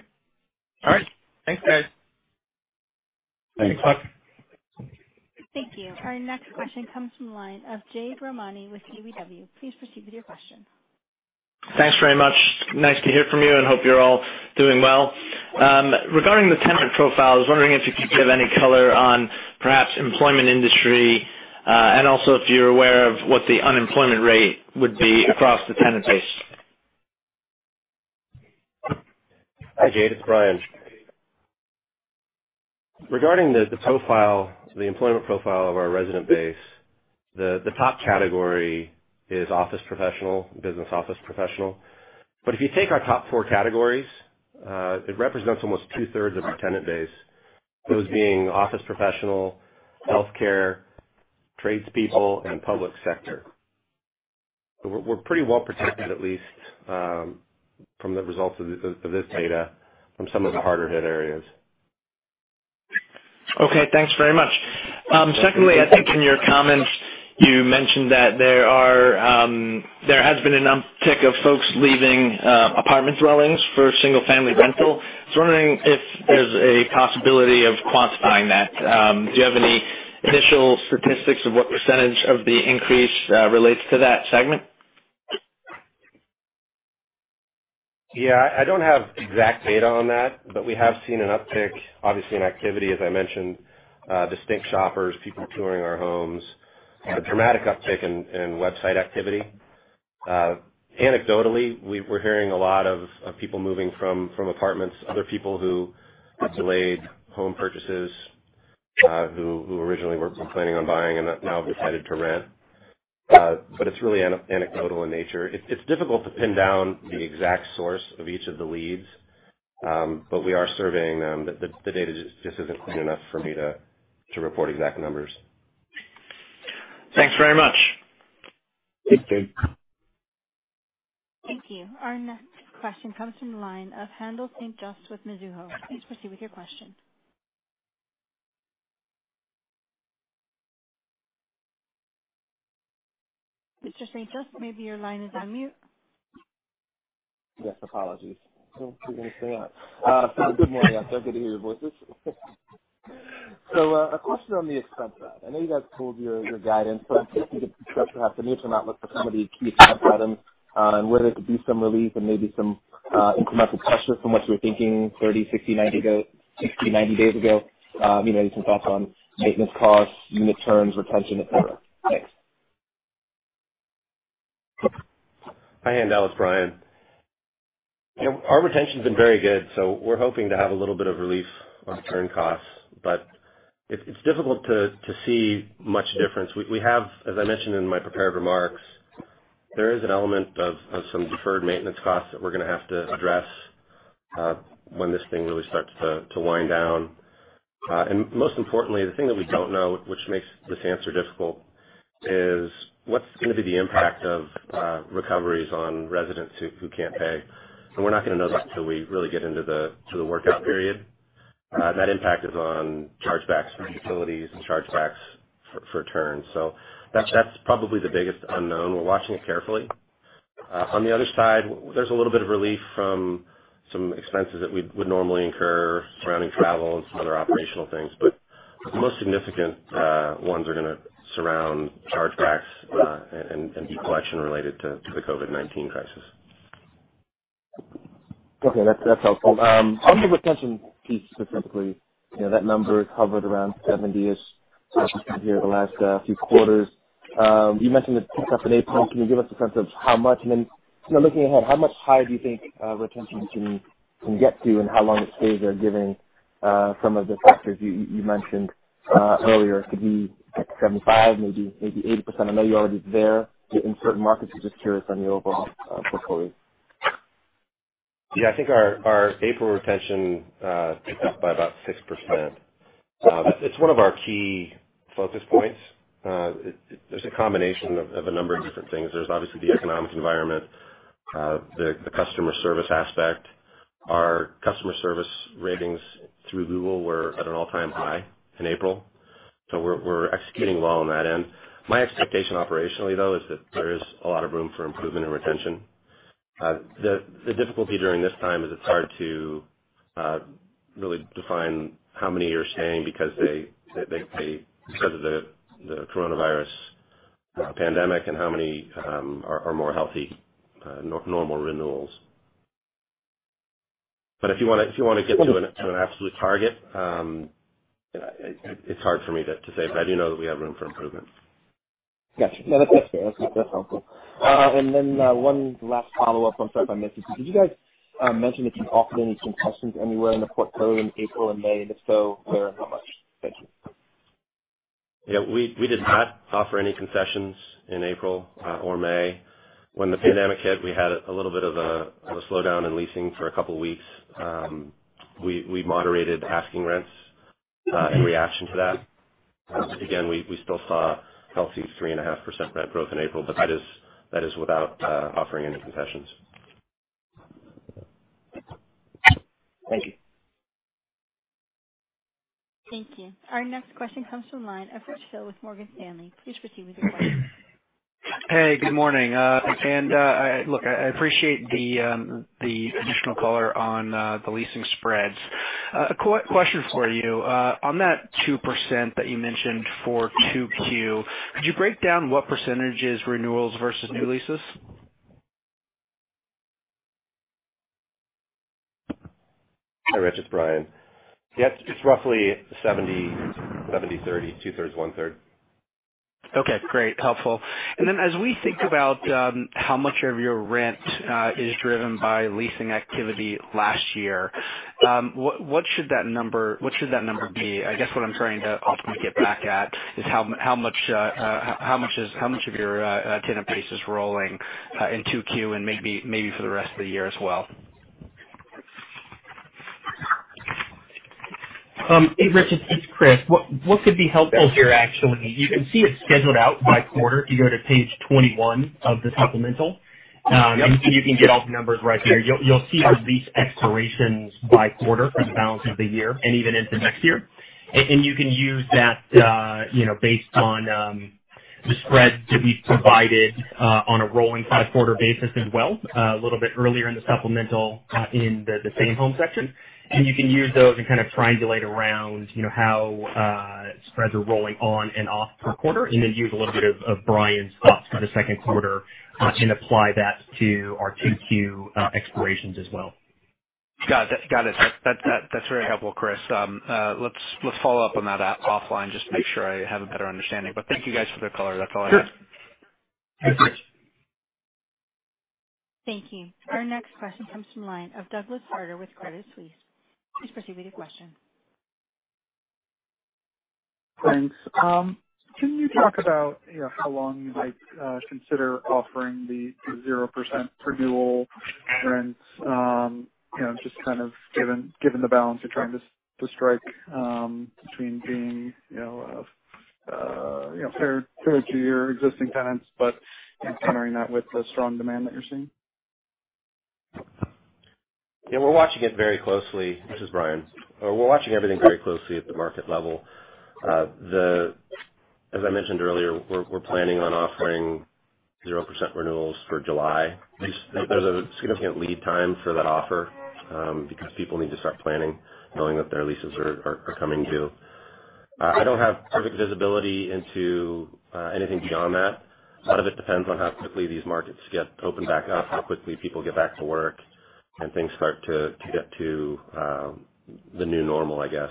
All right. Thanks, guys.
Thanks.
Thanks, Buck.
Thank you. Our next question comes from the line of Jade Rahmani with KBW. Please proceed with your question.
Thanks very much. Nice to hear from you, and hope you're all doing well. Regarding the tenant profile, I was wondering if you could give any color on perhaps employment industry and also if you're aware of what the unemployment rate would be across the tenant base.
Hi, Jade. It's Bryan. Regarding the employment profile of our resident base, the top category is office professional, business office professional. If you take our top four categories, it represents almost 2/3 of our tenant base, those being office professional, healthcare, tradespeople, and public sector. We're pretty well protected, at least from the results of this data, from some of the harder-hit areas.
Okay. Thanks very much.
Thank you.
Secondly, I think in your comments you mentioned that there has been an uptick of folks leaving apartment dwellings for single-family rental. I was wondering if there's a possibility of quantifying that. Do you have any initial statistics of what percentage of the increase relates to that segment?
Yeah. I don't have exact data on that, but we have seen an uptick, obviously, in activity, as I mentioned, distinct shoppers, people touring our homes, a dramatic uptick in website activity. Anecdotally, we're hearing a lot of people moving from apartments, other people who delayed home purchases who originally were planning on buying and have now decided to rent. It's really anecdotal in nature. It's difficult to pin down the exact source of each of the leads, but we are surveying them. The data just isn't clean enough for me to report exact numbers.
Thanks very much.
Thank you.
Thank you. Our next question comes from the line of Haendel St. Juste with Mizuho. Please proceed with your question. Mr. St. Juste, maybe your line is on mute.
Yes, apologies. Didn't see that. Good morning, guys. Good to hear your voices. A question on the expense side. I know you guys pulled your guidance, so I'm thinking the structure has the near-term outlook for some of the key expense items, and whether there could be some relief and maybe some incremental pressure from what you were thinking 30, 60, 90 days ago. Any thoughts on maintenance costs, unit turns, retention, et cetera? Thanks.
Hi, Haendel. It's Bryan. Our retention's been very good, we're hoping to have a little bit of relief on turn costs. It's difficult to see much difference. We have, as I mentioned in my prepared remarks, there is an element of some deferred maintenance costs that we're going to have to address when this thing really starts to wind down. Most importantly, the thing that we don't know, which makes this answer difficult, is what's going to be the impact of recoveries on residents who can't pay. We're not going to know that until we really get into the workout period. That impact is on chargebacks from utilities and chargebacks for turns. That's probably the biggest unknown. We're watching it carefully. On the other side, there's a little bit of relief from some expenses that we would normally incur surrounding travel and some other operational things. The most significant ones are going to surround chargebacks, and collection related to the COVID-19 crisis.
Okay, that's helpful. On the retention piece specifically, that number hovered around 70%-ish here the last few quarters. You mentioned it picked up in April. Can you give us a sense of how much? Looking ahead, how much higher do you think retention can get to, and how long it stays there, given some of the factors you mentioned earlier? Could it be 75%, maybe 80%? I know you're already there in certain markets. I'm just curious on the overall portfolio.
Yeah, I think our April retention picked up by about 6%. It's one of our key focus points. There's a combination of a number of different things. There's obviously the economic environment, the customer service aspect. Our customer service ratings through Google were at an all-time high in April, so we're executing well on that end. My expectation operationally, though, is that there is a lot of room for improvement in retention. The difficulty during this time is it's hard to really define how many are staying because of the coronavirus pandemic and how many are more healthy normal renewals. If you want to get to an absolute target, it's hard for me to say. I do know that we have room for improvement.
Got you. No, that's fair. That's helpful. One last follow-up. I'm sorry if I missed this. Did you guys mention if you offered any concessions anywhere in the portfolio in April and May? If so, where and how much? Thank you.
Yeah. We did not offer any concessions in April or May. When the pandemic hit, we had a little bit of a slowdown in leasing for a couple of weeks. We moderated asking rents in reaction to that. Again, we still saw a healthy 3.5% rent growth in April, but that is without offering any concessions.
Thank you.
Thank you. Our next question comes from the line of Rich Hill with Morgan Stanley. Please proceed with your question.
Good morning. Look, I appreciate the additional color on the leasing spreads. A question for you. On that 2% that you mentioned for 2Q, could you break down what percentage is renewals versus new leases?
Hi, Rich. It's Bryan. Yes, it's roughly 70/30, 2/3, 1/3.
Okay, great. Helpful. Then as we think about how much of your rent is driven by leasing activity last year, what should that number be? I guess what I'm trying to ultimately get back at is how much of your tenant base is rolling in 2Q and maybe for the rest of the year as well.
Hey, Rich, it's Chris. What could be helpful here, actually, you can see it scheduled out by quarter if you go to page 21 of the supplemental.
Yep.
You can get all the numbers right there. You'll see the lease expirations by quarter for the balance of the year and even into next year. You can use that based on the spreads that we've provided on a rolling five-quarter basis as well, a little bit earlier in the supplemental in the same-home section. You can use those and kind of triangulate around how spreads are rolling on and off per quarter, then use a little bit of Bryan's thoughts for the second quarter and apply that to our 2Q expirations as well.
Got it. That's very helpful, Chris. Let's follow up on that offline just to make sure I have a better understanding. Thank you guys for the color. That's all I had.
Sure, Rich
Thank you. Our next question comes from the line of Douglas Harter with Credit Suisse. Please proceed with your question.
Thanks. Can you talk about how long you might consider offering the 0% renewal rents, just kind of given the balance you're trying to strike between being fair to your existing tenants, but encountering that with the strong demand that you're seeing?
Yeah, we're watching it very closely. This is Bryan. We're watching everything very closely at the market level. As I mentioned earlier, we're planning on offering 0% renewals for July. There's a significant lead time for that offer because people need to start planning, knowing that their leases are coming due. I don't have perfect visibility into anything beyond that. A lot of it depends on how quickly these markets get opened back up, how quickly people get back to work, and things start to get to the new normal, I guess.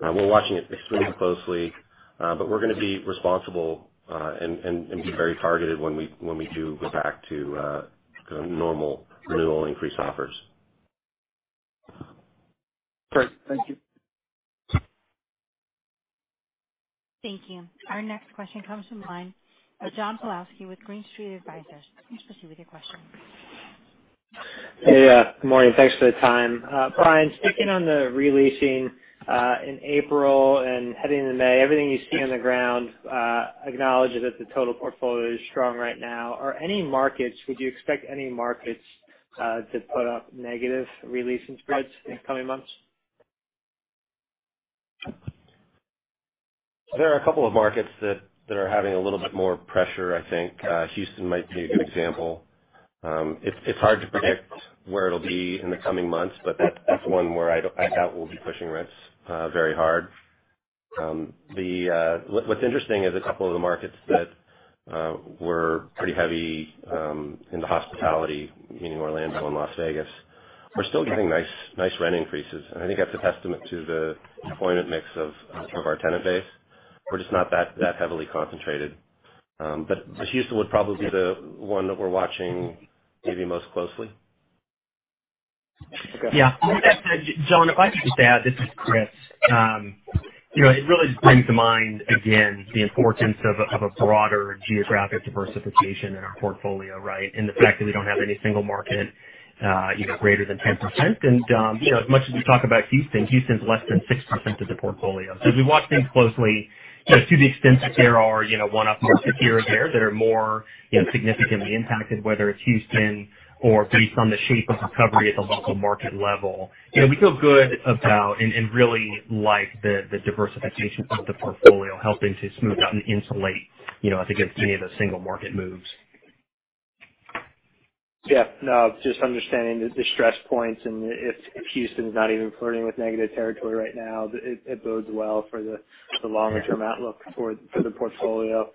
We're watching it extremely closely, but we're going to be responsible and be very targeted when we do go back to normal renewal increase offers.
Great. Thank you.
Thank you. Our next question comes from the line of John Pawlowski with Green Street Advisors. Please proceed with your question.
Hey. Good morning. Thanks for the time. Bryan, sticking on the re-leasing in April and heading into May, everything you see on the ground acknowledges that the total portfolio is strong right now. Are any markets, would you expect any markets to put up negative re-leasing spreads in the coming months?
There are a couple of markets that are having a little bit more pressure, I think. Houston might be a good example. It's hard to predict where it'll be in the coming months, but that's one where I doubt we'll be pushing rents very hard. What's interesting is a couple of the markets that were pretty heavy in the hospitality, meaning Orlando and Las Vegas, are still getting nice rent increases. I think that's a testament to the employment mix of our tenant base. We're just not that heavily concentrated. Houston would probably be the one that we're watching maybe most closely.
Okay.
Yeah. John, if I could just add, this is Chris. It really brings to mind, again, the importance of a broader geographic diversification in our portfolio, right? The fact that we don't have any single market greater than 10%. As we watch things closely, to the extent that there are one-offs here or there that are more significantly impacted, whether it's Houston or based on the shape of recovery at the local market level. We feel good about and really like the diversification of the portfolio helping to smooth out and insulate against any of the single-market moves.
Yeah. No, just understanding the stress points and if Houston's not even flirting with negative territory right now, it bodes well for the longer-term outlook for the portfolio.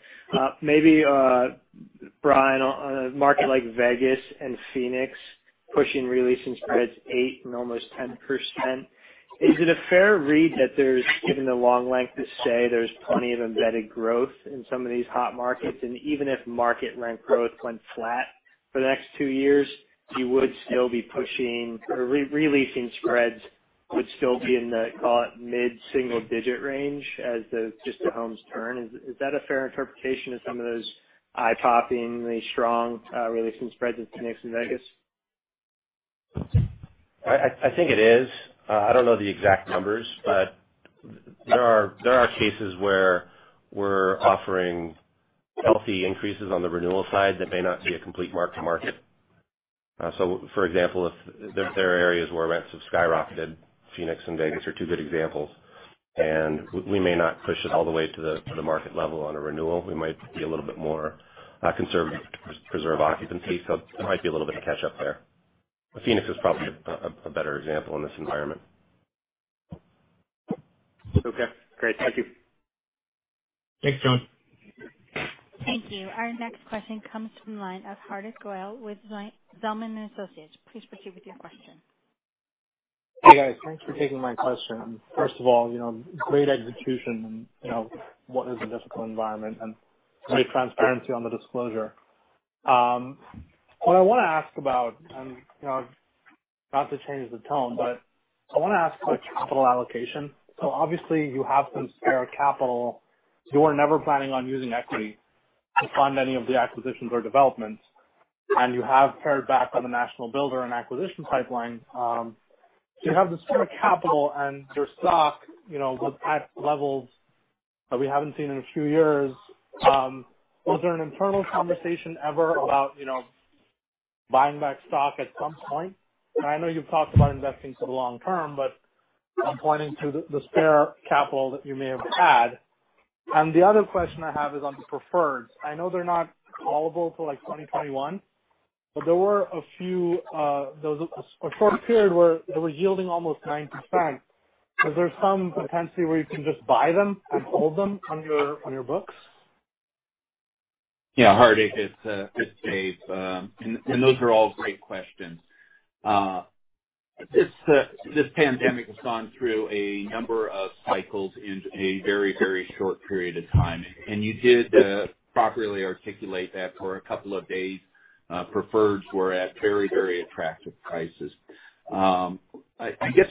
Maybe, Bryan, on a market like Vegas and Phoenix pushing re-leasing spreads 8% and almost 10%, is it a fair read that given the long length of stay, there's plenty of embedded growth in some of these hot markets? Even if market rent growth went flat for the next two years, you would still be pushing or re-leasing spreads would still be in the, call it, mid-single-digit range as just the homes turn. Is that a fair interpretation of some of those eye-poppingly strong re-leasing spreads in Phoenix and Vegas?
I think it is. I don't know the exact numbers, but there are cases where we're offering healthy increases on the renewal side that may not be a complete mark-to-market. For example, if there are areas where rents have skyrocketed, Phoenix and Vegas are two good examples, and we may not push it all the way to the market level on a renewal. We might be a little bit more conservative to preserve occupancy. There might be a little bit of catch-up there. Phoenix is probably a better example in this environment.
Okay, great. Thank you.
Thanks, John.
Thank you. Our next question comes from the line of Hardik Goel with Zelman & Associates. Please proceed with your question.
Hey, guys. Thanks for taking my question. First of all, great execution in what is a difficult environment, and great transparency on the disclosure. What I want to ask about, and not to change the tone, but I want to ask about capital allocation. Obviously you have some spare capital. You are never planning on using equity to fund any of the acquisitions or developments, and you have pared back on the national builder and acquisition pipeline. You have this spare capital and your stock with high levels that we haven't seen in a few years. Was there an internal conversation ever about buying back stock at some point? I know you've talked about investing for the long term, but I'm pointing to the spare capital that you may have had. The other question I have is on the preferreds. I know they're not callable till 2021. There was a short period where they were yielding almost 9%. Is there some potential where you can just buy them and hold them on your books?
Yeah, Hardik, it's Dave. Those are all great questions. This pandemic has gone through a number of cycles in a very short period of time. You did properly articulate that for a couple of days, preferreds were at very attractive prices. I guess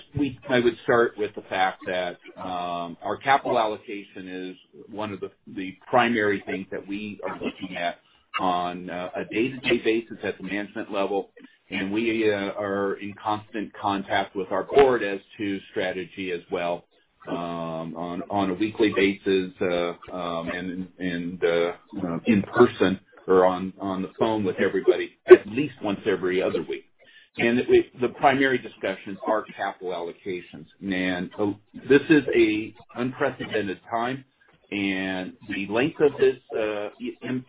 I would start with the fact that our capital allocation is one of the primary things that we are looking at on a day-to-day basis at the management level. We are in constant contact with our board as to strategy as well on a weekly basis, and in-person or on the phone with everybody at least once every other week. The primary discussions are capital allocations. This is an unprecedented time, and the length of this event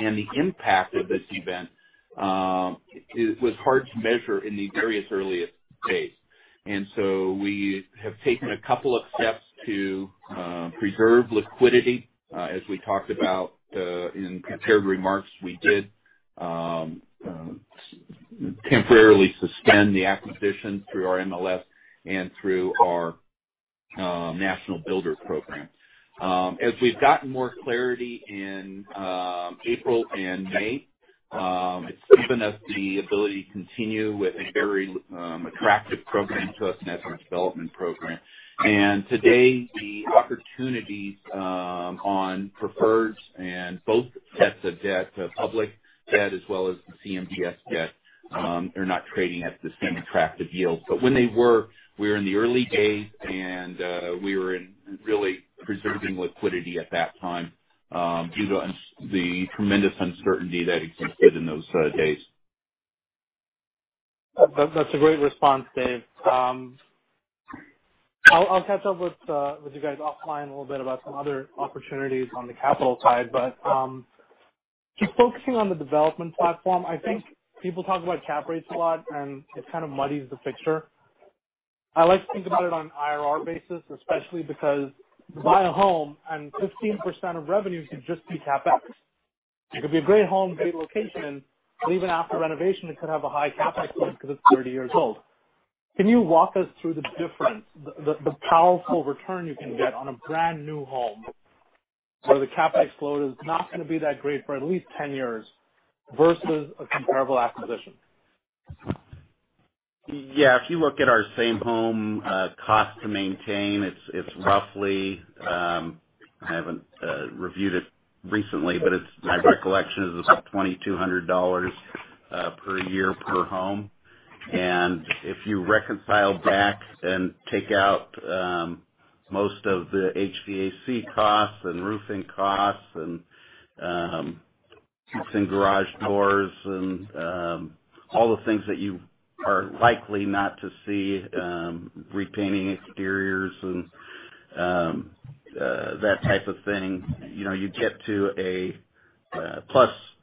and the impact of this event was hard to measure in the very earliest days. So we have taken a couple of steps to preserve liquidity. As we talked about in prepared remarks, we did temporarily suspend the acquisition through our MLS and through our national builder program. As we've gotten more clarity in April and May, it's given us the ability to continue with a very attractive program to us, and that's our development program. Today, the opportunities on preferreds and both sets of debt, public debt as well as the CMBS debt, are not trading at the same attractive yields. When they were, we were in the early days, and we were really preserving liquidity at that time due to the tremendous uncertainty that existed in those days.
That's a great response, Dave. I'll catch up with you guys offline a little bit about some other opportunities on the capital side. Just focusing on the development platform, I think people talk about cap rates a lot, and it kind of muddies the picture. I like to think about it on an IRR basis, especially because you buy a home and 15% of revenue could just be CapEx. It could be a great home, great location, and even after renovation, it could have a high capital expense because it's 30 years old. Can you walk us through the difference, the powerful return you can get on a brand-new home where the CapEx load is not going to be that great for at least 10 years versus a comparable acquisition?
Yeah. If you look at our same-home cost to maintain, I haven't reviewed it recently, but my recollection is it's about $2,200 per year per home. If you reconcile back and take out most of the HVAC costs and roofing costs and fixing garage doors and all the things that you are likely not to see, repainting exteriors and that type of thing.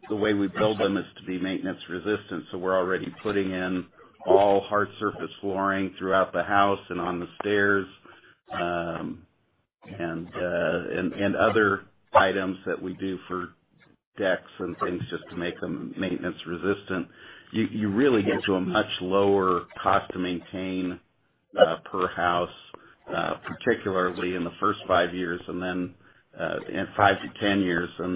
The way we build them is to be maintenance resistant, so we're already putting in all hard surface flooring throughout the house and on the stairs, and other items that we do for decks and things just to make them maintenance resistant. You really get to a much lower cost to maintain per house, particularly in the first 5-10 years, and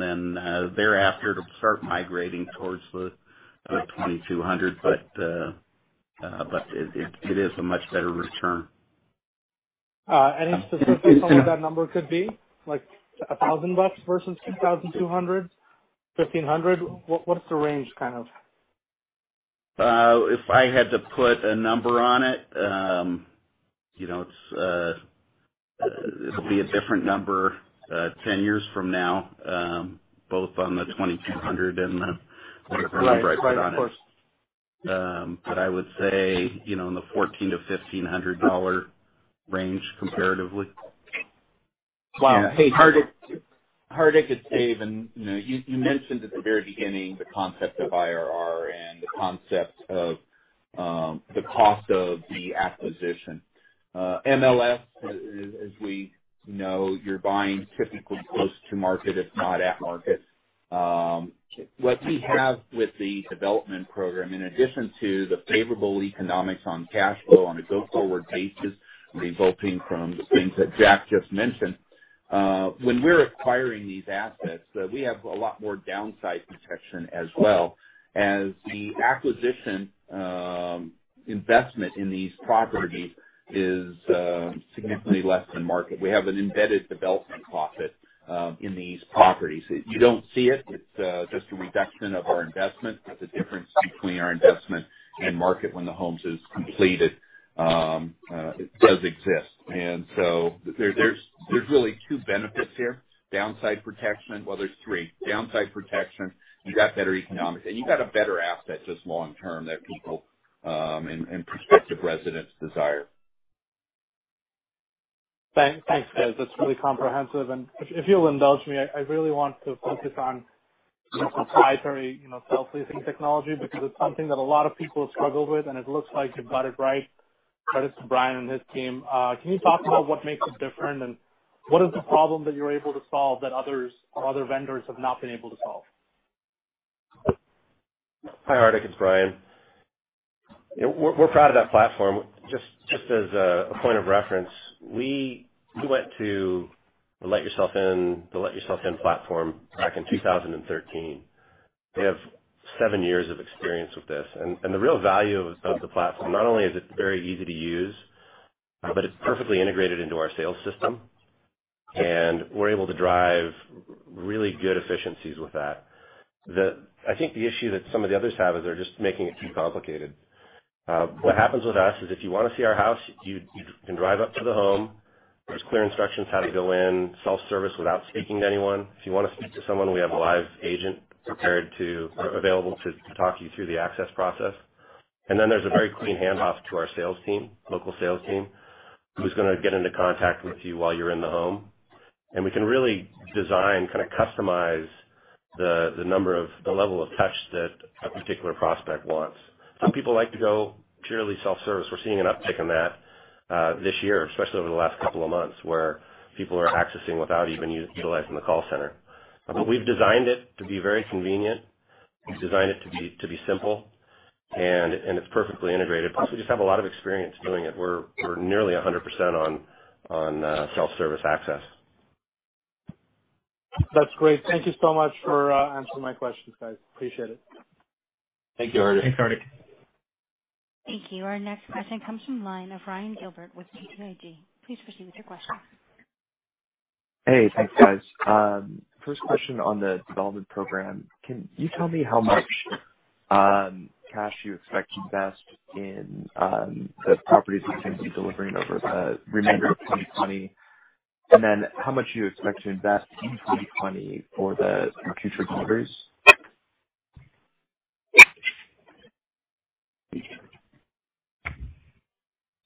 then thereafter, it'll start migrating towards the $2,200. It is a much better return.
Any specificity on what that number could be, like $1,000 versus $2,200, $1,500? What's the range?
If I had to put a number on it'll be a different number 10 years from now both on the $2,200 and the whatever number I put on it.
Right. Of course.
I would say in the $1,400-$1,500 range comparatively.
Wow.
Hardik, it's Dave. You mentioned at the very beginning the concept of IRR and the concept of the cost of the acquisition. MLS, as we know, you're buying typically close to market, if not at market. What we have with the development program, in addition to the favorable economics on cash flow on a go-forward basis, resulting from the things that Jack just mentioned. When we're acquiring these assets, we have a lot more downside protection as well as the acquisition investment in these properties is significantly less than market. We have an embedded development profit in these properties. You don't see it. It's just a reduction of our investment. It's a difference between our investment and market when the homes is completed. It does exist. There's really two benefits here. Downside protection. Well, there's three. Downside protection, you got better economics, and you got a better asset just long term that people and prospective residents desire.
Thanks, guys. That's really comprehensive. If you'll indulge me, I really want to focus on proprietary self-leasing technology because it's something that a lot of people have struggled with and it looks like you got it right. Credits to Bryan and his team. Can you talk about what makes it different and what is the problem that you're able to solve that other vendors have not been able to solve?
Hi, Hardik. It's Bryan. We're proud of that platform. Just as a point of reference, we went to the Let Yourself In platform back in 2013. We have seven years of experience with this. The real value of the platform, not only is it very easy to use, but it's perfectly integrated into our sales system, and we're able to drive really good efficiencies with that. I think the issue that some of the others have is they're just making it too complicated. What happens with us is if you want to see our house, you can drive up to the home. There's clear instructions how to go in, self-service without speaking to anyone. If you want to speak to someone, we have a live agent available to talk you through the access process. Then there's a very clean handoff to our local sales team, who's going to get into contact with you while you're in the home. We can really design, kind of customize the level of touch that a particular prospect wants. Some people like to go purely self-service. We're seeing an uptick in that this year, especially over the last couple of months, where people are accessing without even utilizing the call center. We've designed it to be very convenient. We've designed it to be simple, and it's perfectly integrated. We just have a lot of experience doing it. We're nearly 100% on self-service access.
That's great. Thank you so much for answering my questions, guys. Appreciate it.
Thank you, Hardik.
Thanks, Hardik.
Thank you. Our next question comes from the line of Ryan Gilbert with BTIG. Please proceed with your question.
Hey. Thanks, guys. First question on the development program. Can you tell me how much cash you expect to invest in the properties that you're going to be delivering over the remainder of 2020? How much you expect to invest in 2020 for the future quarters?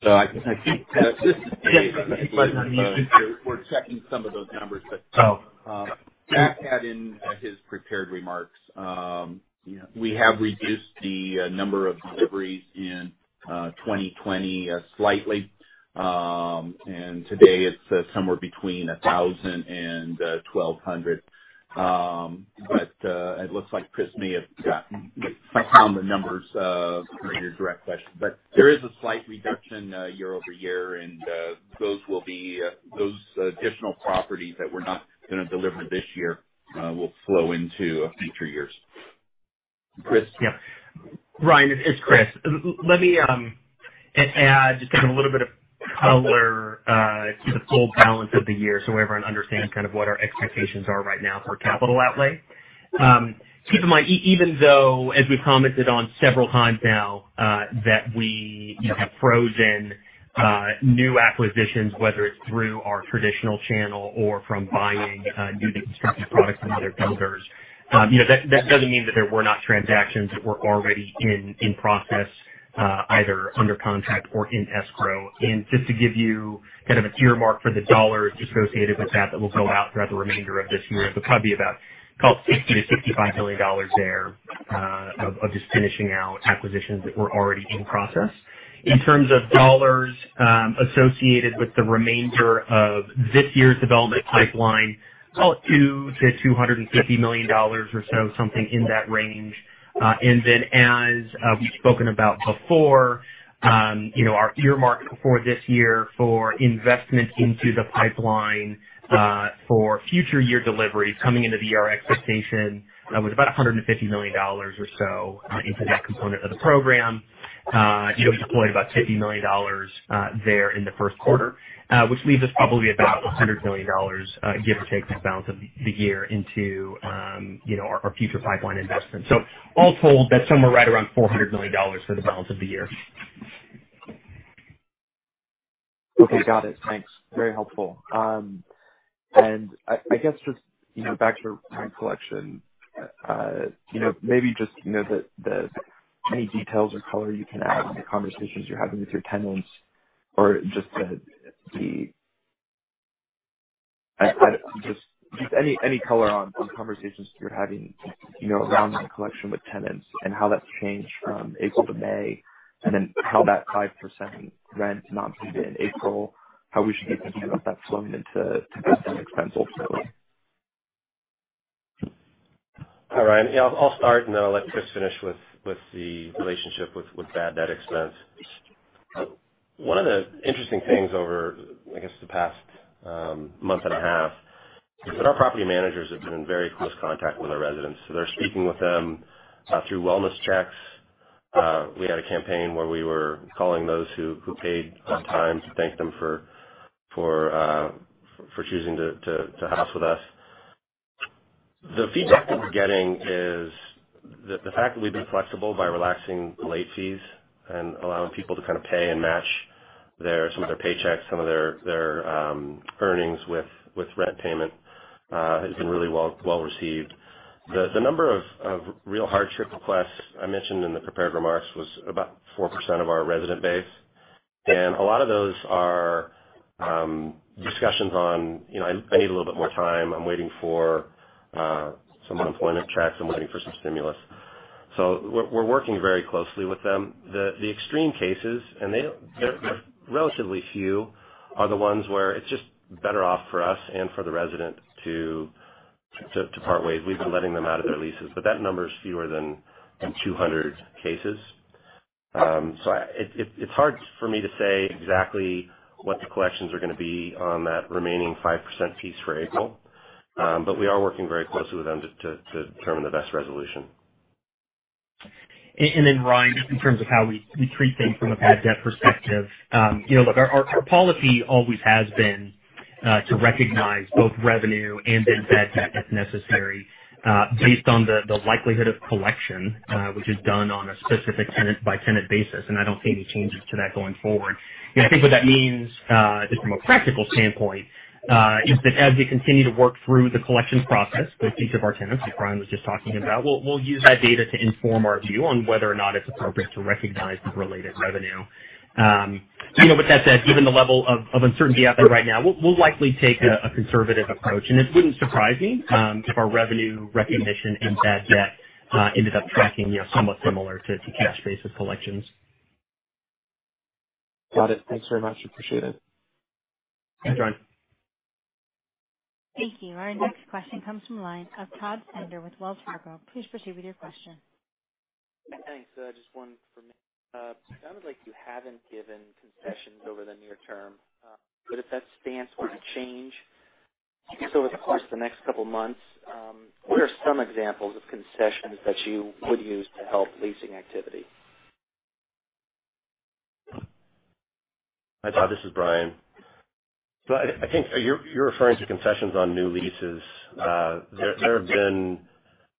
So I think this is--
Yes. We're checking some of those numbers. Jack had in his prepared remarks. We have reduced the number of deliveries in 2020 slightly. Today it's somewhere between 1,000 and 1,200. It looks like Chris may have gotten slightly wrong the numbers for your direct question. There is a slight reduction year-over-year, and those additional properties that we're not going to deliver this year will flow into future years. Chris?
Yeah. Ryan, it's Chris. Let me add just a little bit of color to the full balance of the year so everyone understands kind of what our expectations are right now for capital outlay. Keep in mind, even though, as we've commented on several times now, that we have frozen new acquisitions, whether it's through our traditional channel or from buying newly constructed products from other builders. That doesn't mean that there were not transactions that were already in process, either under contract or in escrow. Just to give you kind of an earmark for the dollars associated with that will go out throughout the remainder of this year. It'll probably be about call it $60 million-$65 million there of just finishing out acquisitions that were already in process. In terms of dollars associated with the remainder of this year's development pipeline, call it $200 million-$250 million or so, something in that range. Then as we've spoken about before, our earmark for this year for investment into the pipeline for future year deliveries coming into the year expectation was about $150 million or so into that component of the program. We deployed about $50 million there in the first quarter, which leaves us probably about $100 million, give or take, this balance of the year into our future pipeline investments. All told, that's somewhere right around $400 million for the balance of the year.
Okay. Got it. Thanks. Very helpful. I guess just back to rent collection. Maybe just any details or color you can add on the conversations you're having with your tenants or just any color on conversations you're having around rent collection with tenants and how that's changed from April to May, and then how that 5% rent not paid in April, how we should be thinking about that flowing into bad debt expense ultimately.
Hi, Ryan. Yeah. I'll start, and then I'll let Chris finish with the relationship with bad debt expense. One of the interesting things over, I guess, the past month and a half is that our property managers have been in very close contact with our residents. They're speaking with them through wellness checks. We had a campaign where we were calling those who paid on time to thank them for choosing to house with us. The feedback that we're getting is that the fact that we've been flexible by relaxing the late fees and allowing people to kind of pay and match some of their paychecks, some of their earnings with rent payment, has been really well received. The number of real hardship requests I mentioned in the prepared remarks was about 4% of our resident base. A lot of those are discussions on, "I need a little bit more time. I'm waiting for some unemployment checks. I'm waiting for some stimulus." We're working very closely with them. The extreme cases, and they're relatively few, are the ones where it's just better off for us and for the resident to part ways. We've been letting them out of their leases. That number is fewer than 200 cases. It's hard for me to say exactly what the collections are going to be on that remaining 5% piece for April. We are working very closely with them to determine the best resolution.
Ryan, just in terms of how we treat things from a bad debt perspective. Look, our policy always has been to recognize both revenue and then bad debt if necessary, based on the likelihood of collection, which is done on a specific tenant-by-tenant basis, and I don't see any changes to that going forward. I think what that means, just from a practical standpoint, is that as we continue to work through the collections process with each of our tenants, as Bryan was just talking about, we'll use that data to inform our view on whether or not it's appropriate to recognize the related revenue. With that said, given the level of uncertainty out there right now, we'll likely take a conservative approach, and it wouldn't surprise me if our revenue recognition and bad debt ended up tracking somewhat similar to cash basis collections.
Got it. Thanks very much. Appreciate it.
Thanks, Ryan.
Thank you. Our next question comes from the line of Todd Stender with Wells Fargo. Please proceed with your question.
Thanks. Just one for me. It sounded like you haven't given concessions over the near term. If that stance were to change over the course of the next couple of months, what are some examples of concessions that you would use to help leasing activity?
Hi, Todd, this is Bryan. I think you're referring to concessions on new leases. There have been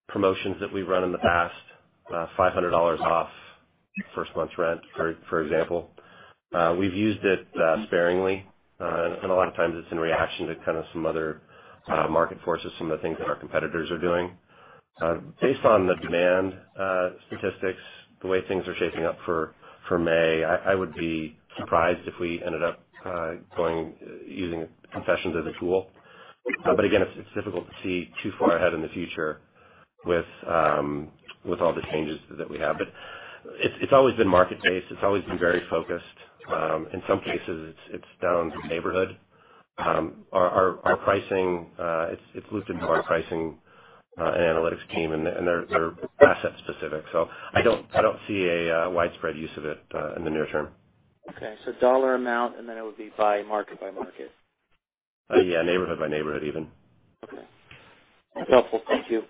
promotions that we've run in the past, $500 off first month's rent, for example. We've used it sparingly, and a lot of times it's in reaction to kind of some other market forces, some of the things that our competitors are doing. Based on the demand statistics, the way things are shaping up for May, I would be surprised if we ended up using concessions as a tool. Again, it's difficult to see too far ahead in the future with all the changes that we have. It's always been market-based. It's always been very focused. In some cases, it's down to neighborhood. Our pricing, it's looped into our pricing and analytics team, and they're asset-specific. I don't see a widespread use of it in the near term.
Okay, dollar amount, then it would be by market by market.
Yeah, neighborhood by neighborhood, even.
Okay. That's helpful. Thank you.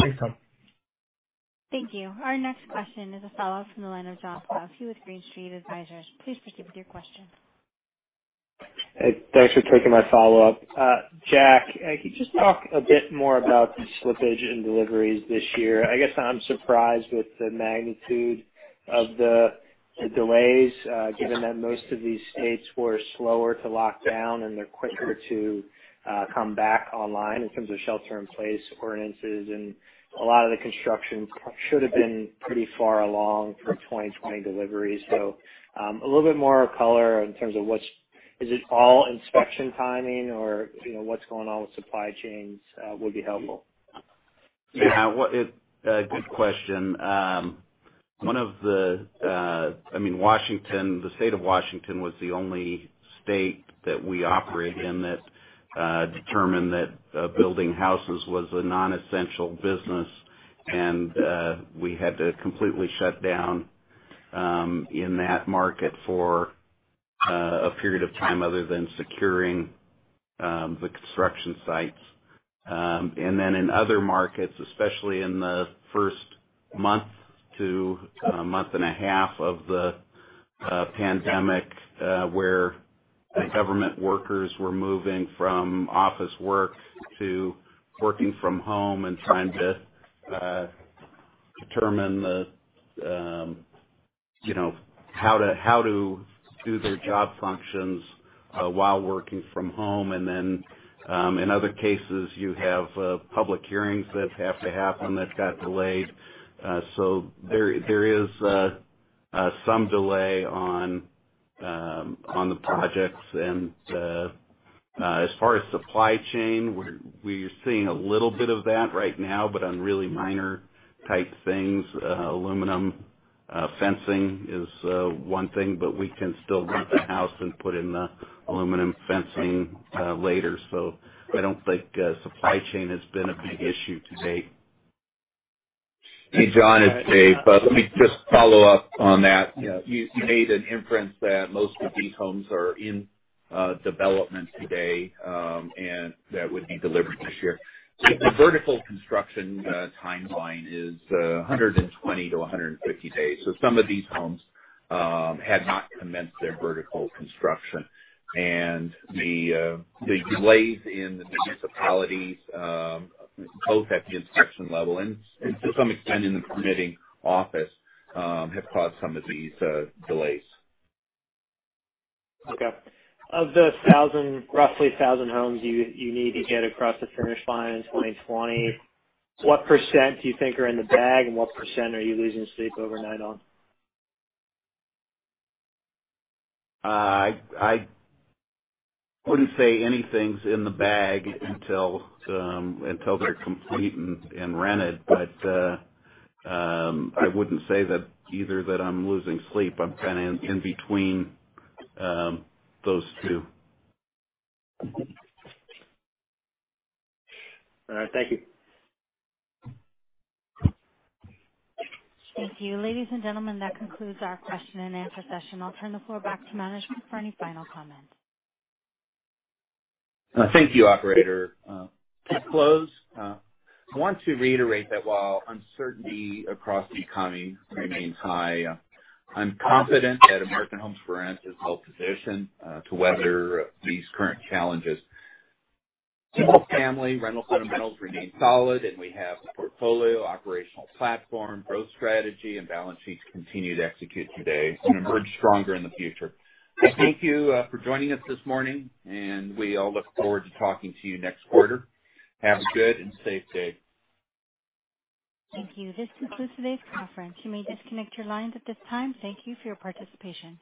Thanks, Todd.
Thank you. Our next question is a follow-up from the line of John Pawlowski with Green Street Advisors. Please proceed with your question.
Thanks for taking my follow-up. Jack, could you just talk a bit more about the slippage in deliveries this year? I guess I'm surprised with the magnitude of the delays, given that most of these states were slower to lock down, and they're quicker to come back online in terms of shelter-in-place ordinances. A lot of the construction should have been pretty far along for 2020 delivery. A little bit more color in terms of is it all inspection timing or what's going on with supply chains would be helpful.
Yeah. Good question. The state of Washington was the only state that we operate in that determined that building houses was a non-essential business, and we had to completely shut down in that market for a period of time other than securing the construction sites. In other markets, especially in the first month to 1.5 month of the pandemic, where government workers were moving from office work to working from home and trying to determine how to do their job functions while working from home. In other cases, you have public hearings that have to happen that got delayed. There is some delay on the projects. As far as supply chain, we're seeing a little bit of that right now, but on really minor type things. Aluminum fencing is one thing, but we can still rent the house and put in the aluminum fencing later. I don't think supply chain has been a big issue to date.
Hey, John, it's Dave. Let me just follow up on that. You made an inference that most of these homes are in development today, and that would be delivered this year. The vertical construction timeline is 120-150 days. Some of these homes had not commenced their vertical construction. The delays in the municipalities, both at the inspection level and to some extent in the permitting office, have caused some of these delays.
Okay. Of the roughly 1,000 homes you need to get across the finish line in 2020, what percent do you think are in the bag and what percent are you losing sleep overnight on?
I wouldn't say anything's in the bag until they're complete and rented. I wouldn't say either that I'm losing sleep. I'm kind of in between those two.
All right. Thank you.
Thank you. Ladies and gentlemen, that concludes our question and answer session. I'll turn the floor back to management for any final comments.
Thank you, Operator. To close, I want to reiterate that while uncertainty across the economy remains high, I'm confident that American Homes 4 Rent is well-positioned to weather these current challenges. Single-family rental fundamentals remain solid, and we have the portfolio, operational platform, growth strategy, and balance sheet to continue to execute today and emerge stronger in the future. Thank you for joining us this morning, and we all look forward to talking to you next quarter. Have a good and safe day.
Thank you. This concludes today's conference. You may disconnect your lines at this time. Thank you for your participation.